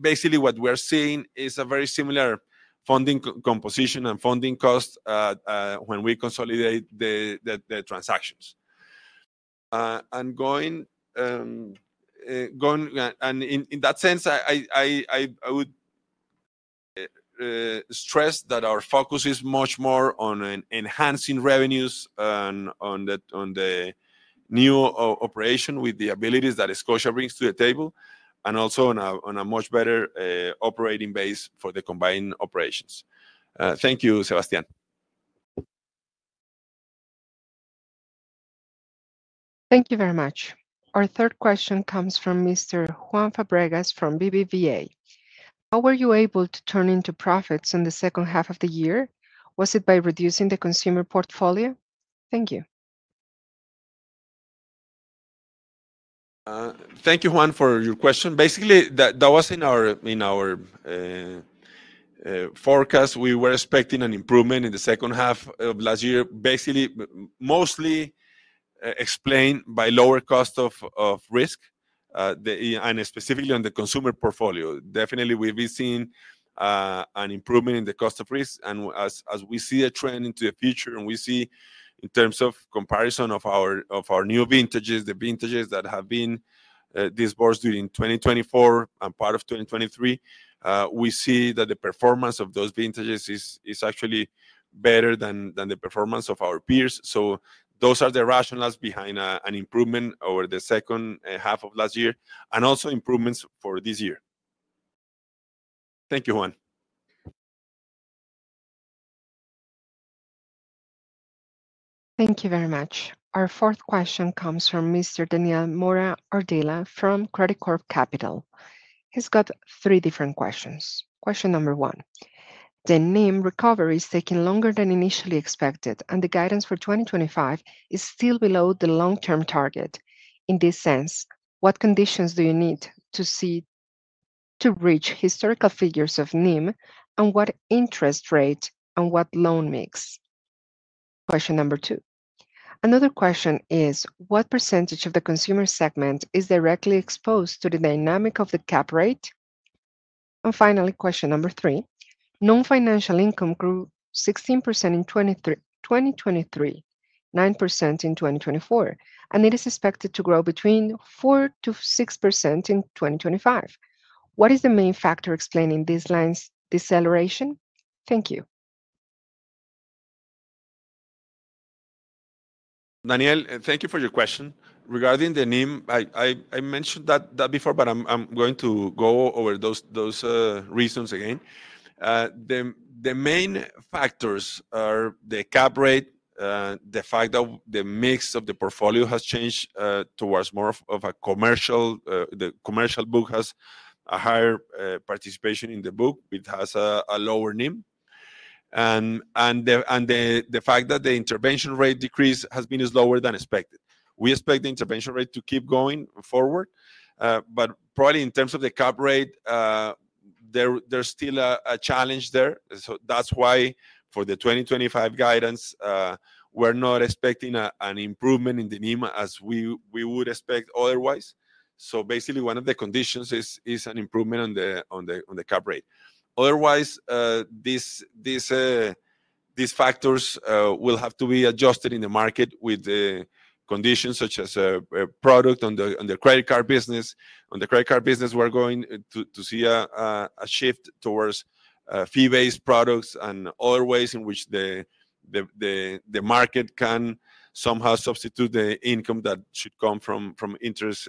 basically, what we're seeing is a very similar funding composition and funding cost when we consolidate the transactions. And in that sense, I would stress that our focus is much more on enhancing revenues on the new operation with the abilities that Scotia brings to the table, and also on a much better operating base for the combined operations. Thank you, Sebastián. Thank you very much. Our third question comes from Mr. Juan Fábregas from BBVA. How were you able to turn into profits in the second half of the year? Was it by reducing the consumer portfolio? Thank you. Thank you, Juan, for your question. Basically, that was in our forecast. We were expecting an improvement in the second half of last year, basically mostly explained by lower cost of risk, and specifically on the consumer portfolio. Definitely, we've been seeing an improvement in the cost of risk. And as we see a trend into the future, and we see in terms of comparison of our new vintages, the vintages that have been disbursed during 2024 and part of 2023, we see that the performance of those vintages is actually better than the performance of our peers. So those are the rationales behind an improvement over the second half of last year, and also improvements for this year. Thank you, Juan. Thank you very much. Our fourth question comes from Mr. Daniel Mora Ardila from Credicorp Capital. He's got three different questions. Question number one, the NIM recovery is taking longer than initially expected, and the guidance for 2025 is still below the long-term target. In this sense, what conditions do you need to reach historical figures of NIM, and what interest rate, and what loan mix? Question number two. Another question is, what percentage of the consumer segment is directly exposed to the dynamic of the cap rate? And finally, question number three, non-financial income grew 16% in 2023, 9% in 2024, and it is expected to grow between 4%-6% in 2025. What is the main factor explaining this line's deceleration? Thank you. Daniel, thank you for your question. Regarding the NIM, I mentioned that before, but I'm going to go over those reasons again. The main factors are the cap rate, the fact that the mix of the portfolio has changed towards more of a commercial, the commercial book has a higher participation in the book, it has a lower NIM, and the fact that the intervention rate decrease has been lower than expected. We expect the intervention rate to keep going forward, but probably in terms of the cap rate, there's still a challenge there. So that's why for the 2025 guidance, we're not expecting an improvement in the NIM as we would expect otherwise. So basically, one of the conditions is an improvement on the cap rate. Otherwise, these factors will have to be adjusted in the market with the conditions such as productivity on the credit card business. On the credit card business, we're going to see a shift towards fee-based products and other ways in which the market can somehow substitute the income that should come from interest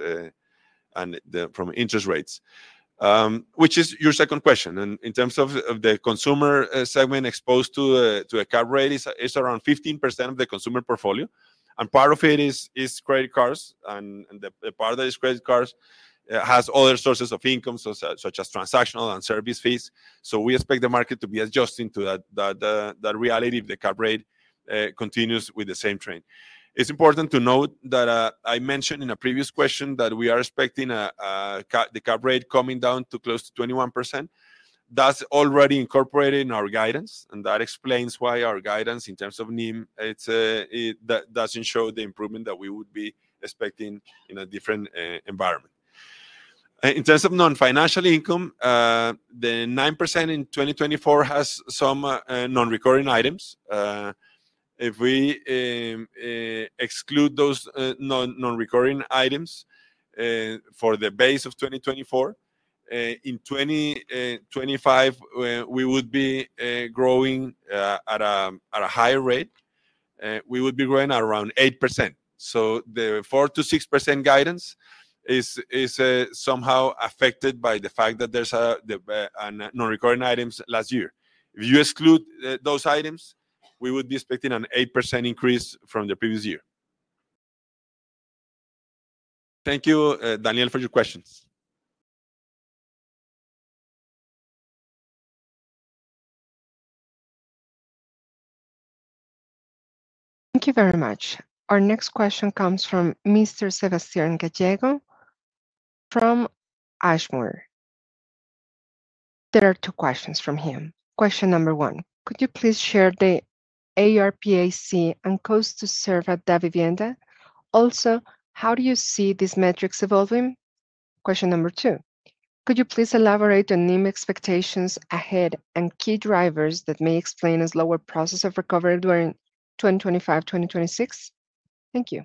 and from interest rates, which is your second question. And in terms of the consumer segment exposed to a cap rate, it's around 15% of the consumer portfolio. And part of it is credit cards, and the part that is credit cards has other sources of income, such as transactional and service fees. So we expect the market to be adjusting to that reality if the cap rate continues with the same trend. It's important to note that I mentioned in a previous question that we are expecting the cap rate coming down to close to 21%. That's already incorporated in our guidance, and that explains why our guidance in terms of NIM doesn't show the improvement that we would be expecting in a different environment. In terms of non-financial income, the 9% in 2024 has some non-recurring items. If we exclude those non-recurring items for the base of 2024, in 2025, we would be growing at a higher rate. We would be growing at around 8%. So the 4%-6% guidance is somehow affected by the fact that there's non-recurring items last year. If you exclude those items, we would be expecting an 8% increase from the previous year. Thank you, Daniel, for your questions. Thank you very much. Our next question comes from Mr. Sebastián Gallego from Ashmore. There are two questions from him. Question number one, could you please share the ARPAC and cost to serve at Davivienda? Also, how do you see these metrics evolving? Question number two, could you please elaborate on NIM expectations ahead and key drivers that may explain a slower process of recovery during 2025-2026? Thank you.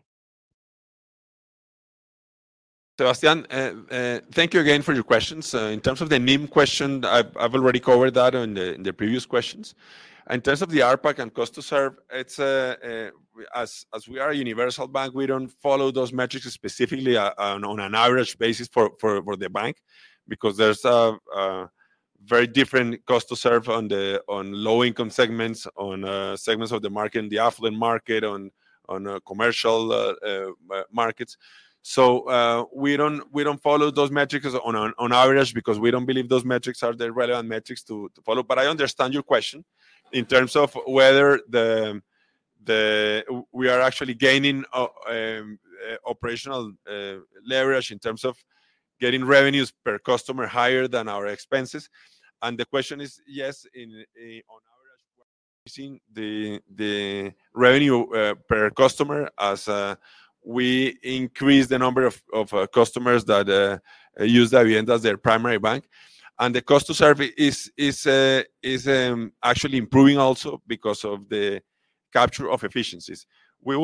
Sebastián, thank you again for your questions. In terms of the NIM question, I've already covered that in the previous questions. In terms of the ARPAC and cost to serve, as we are a universal bank, we don't follow those metrics specifically on an average basis for the bank because there's a very different cost to serve on low-income segments, on segments of the market, the affluent market, on commercial markets. So we don't follow those metrics on average because we don't believe those metrics are the relevant metrics to follow. But I understand your question in terms of whether we are actually gaining operational leverage in terms of getting revenues per customer higher than our expenses. And the question is, yes, on average, we're seeing the revenue per customer as we increase the number of customers that use Davivienda as their primary bank. And the cost to serve is actually improving also because of the capture of efficiencies. We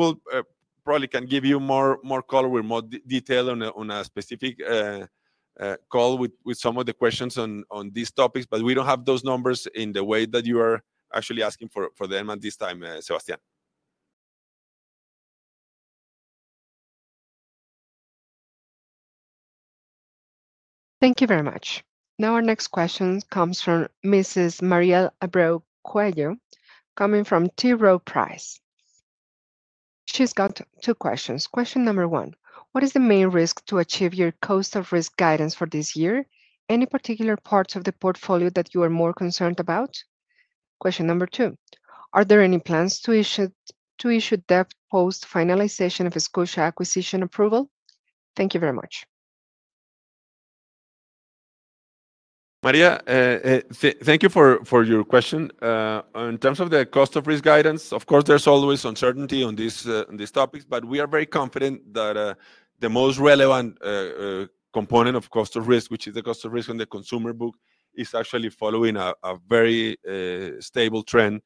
probably can give you more color with more detail on a specific call with some of the questions on these topics, but we don't have those numbers in the way that you are actually asking for them at this time, Sebastián. Thank you very much. Now our next question comes from Mrs. Mariel Abreu Cuello coming from T. Rowe Price. She's got two questions. Question number one: What is the main risk to achieve your cost of risk guidance for this year? Any particular parts of the portfolio that you are more concerned about? Question number two: Are there any plans to issue debt post-finalization of a Scotia acquisition approval? Thank you very much. Mariel, thank you for your question. In terms of the cost of risk guidance, of course, there's always uncertainty on these topics, but we are very confident that the most relevant component of cost of risk, which is the cost of risk on the consumer book, is actually following a very stable trend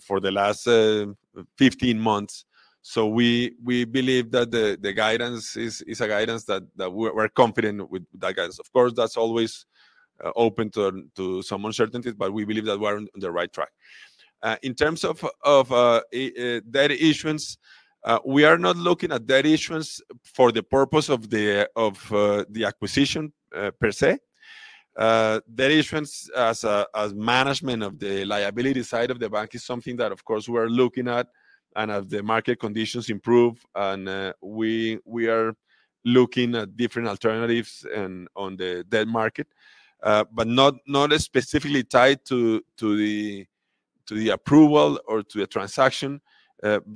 for the last 15 months. So we believe that the guidance is a guidance that we're confident with that guidance. Of course, that's always open to some uncertainties, but we believe that we are on the right track. In terms of debt issuance, we are not looking at debt issuance for the purpose of the acquisition per se. Debt issuance as management of the liability side of the bank is something that, of course, we're looking at and as the market conditions improve, and we are looking at different alternatives on the debt market, but not specifically tied to the approval or to the transaction,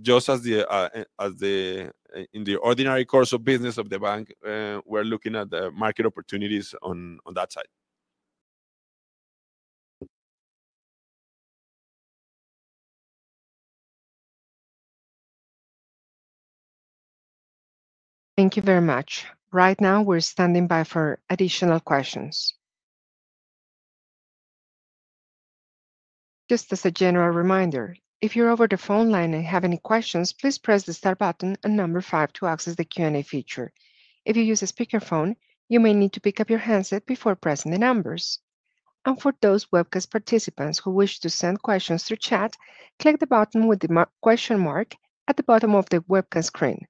just as in the ordinary course of business of the bank, we're looking at the market opportunities on that side. Thank you very much. Right now, we're standing by for additional questions. Just as a general reminder, if you're over the phone line and have any questions, please press the star button and number five to access the Q&A feature. If you use a speakerphone, you may need to pick up your handset before pressing the numbers. And for those webcast participants who wish to send questions through chat, click the button with the question mark at the bottom of the webcast screen.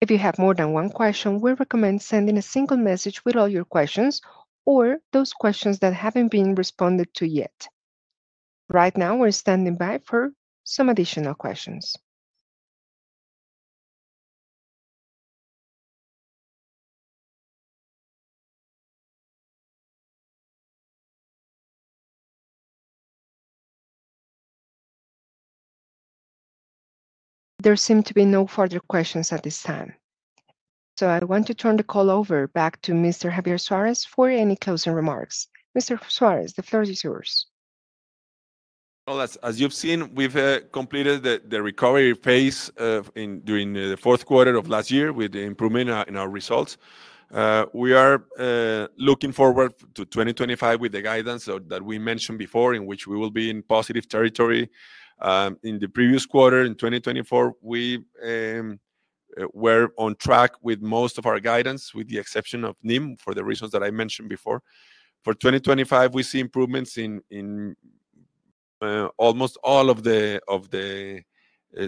If you have more than one question, we recommend sending a single message with all your questions or those questions that haven't been responded to yet. Right now, we're standing by for some additional questions. There seem to be no further questions at this time. So I want to turn the call over back to Mr. Javier Suárez for any closing remarks. Mr. Suárez, the floor is yours. Well, as you've seen, we've completed the recovery phase during the fourth quarter of last year with the improvement in our results. We are looking forward to 2025 with the guidance that we mentioned before, in which we will be in positive territory. In the previous quarter in 2024, we were on track with most of our guidance, with the exception of NIM for the reasons that I mentioned before. For 2025, we see improvements in almost all of the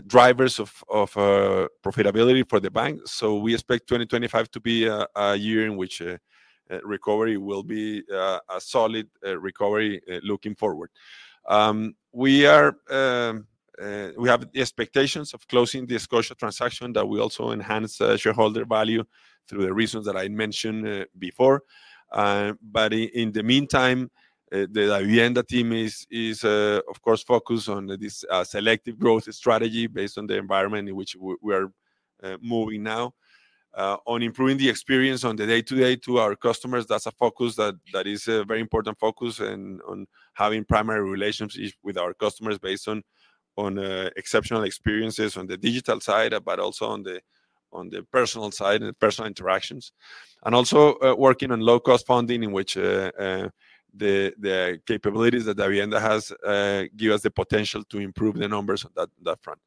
drivers of profitability for the bank, so we expect 2025 to be a year in which recovery will be a solid recovery looking forward. We have the expectations of closing this Scotiabank transaction that we also enhance shareholder value through the reasons that I mentioned before, but in the meantime, the Davivienda team is, of course, focused on this selective growth strategy based on the environment in which we are moving now. On improving the experience on the day-to-day to our customers, that's a focus that is a very important focus on having primary relationships with our customers based on exceptional experiences on the digital side, but also on the personal side and personal interactions. And also working on low-cost funding in which the capabilities that Davivienda has give us the potential to improve the numbers on that front.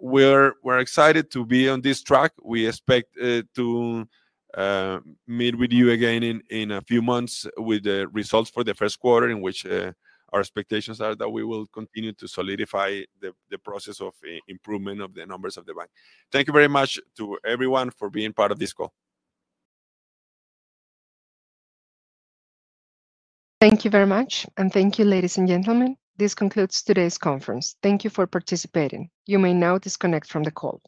We're excited to be on this track. We expect to meet with you again in a few months with the results for the first quarter in which our expectations are that we will continue to solidify the process of improvement of the numbers of the bank. Thank you very much to everyone for being part of this call. Thank you very much. And thank you, ladies and gentlemen. This concludes today's conference. Thank you for participating. You may now disconnect from the call.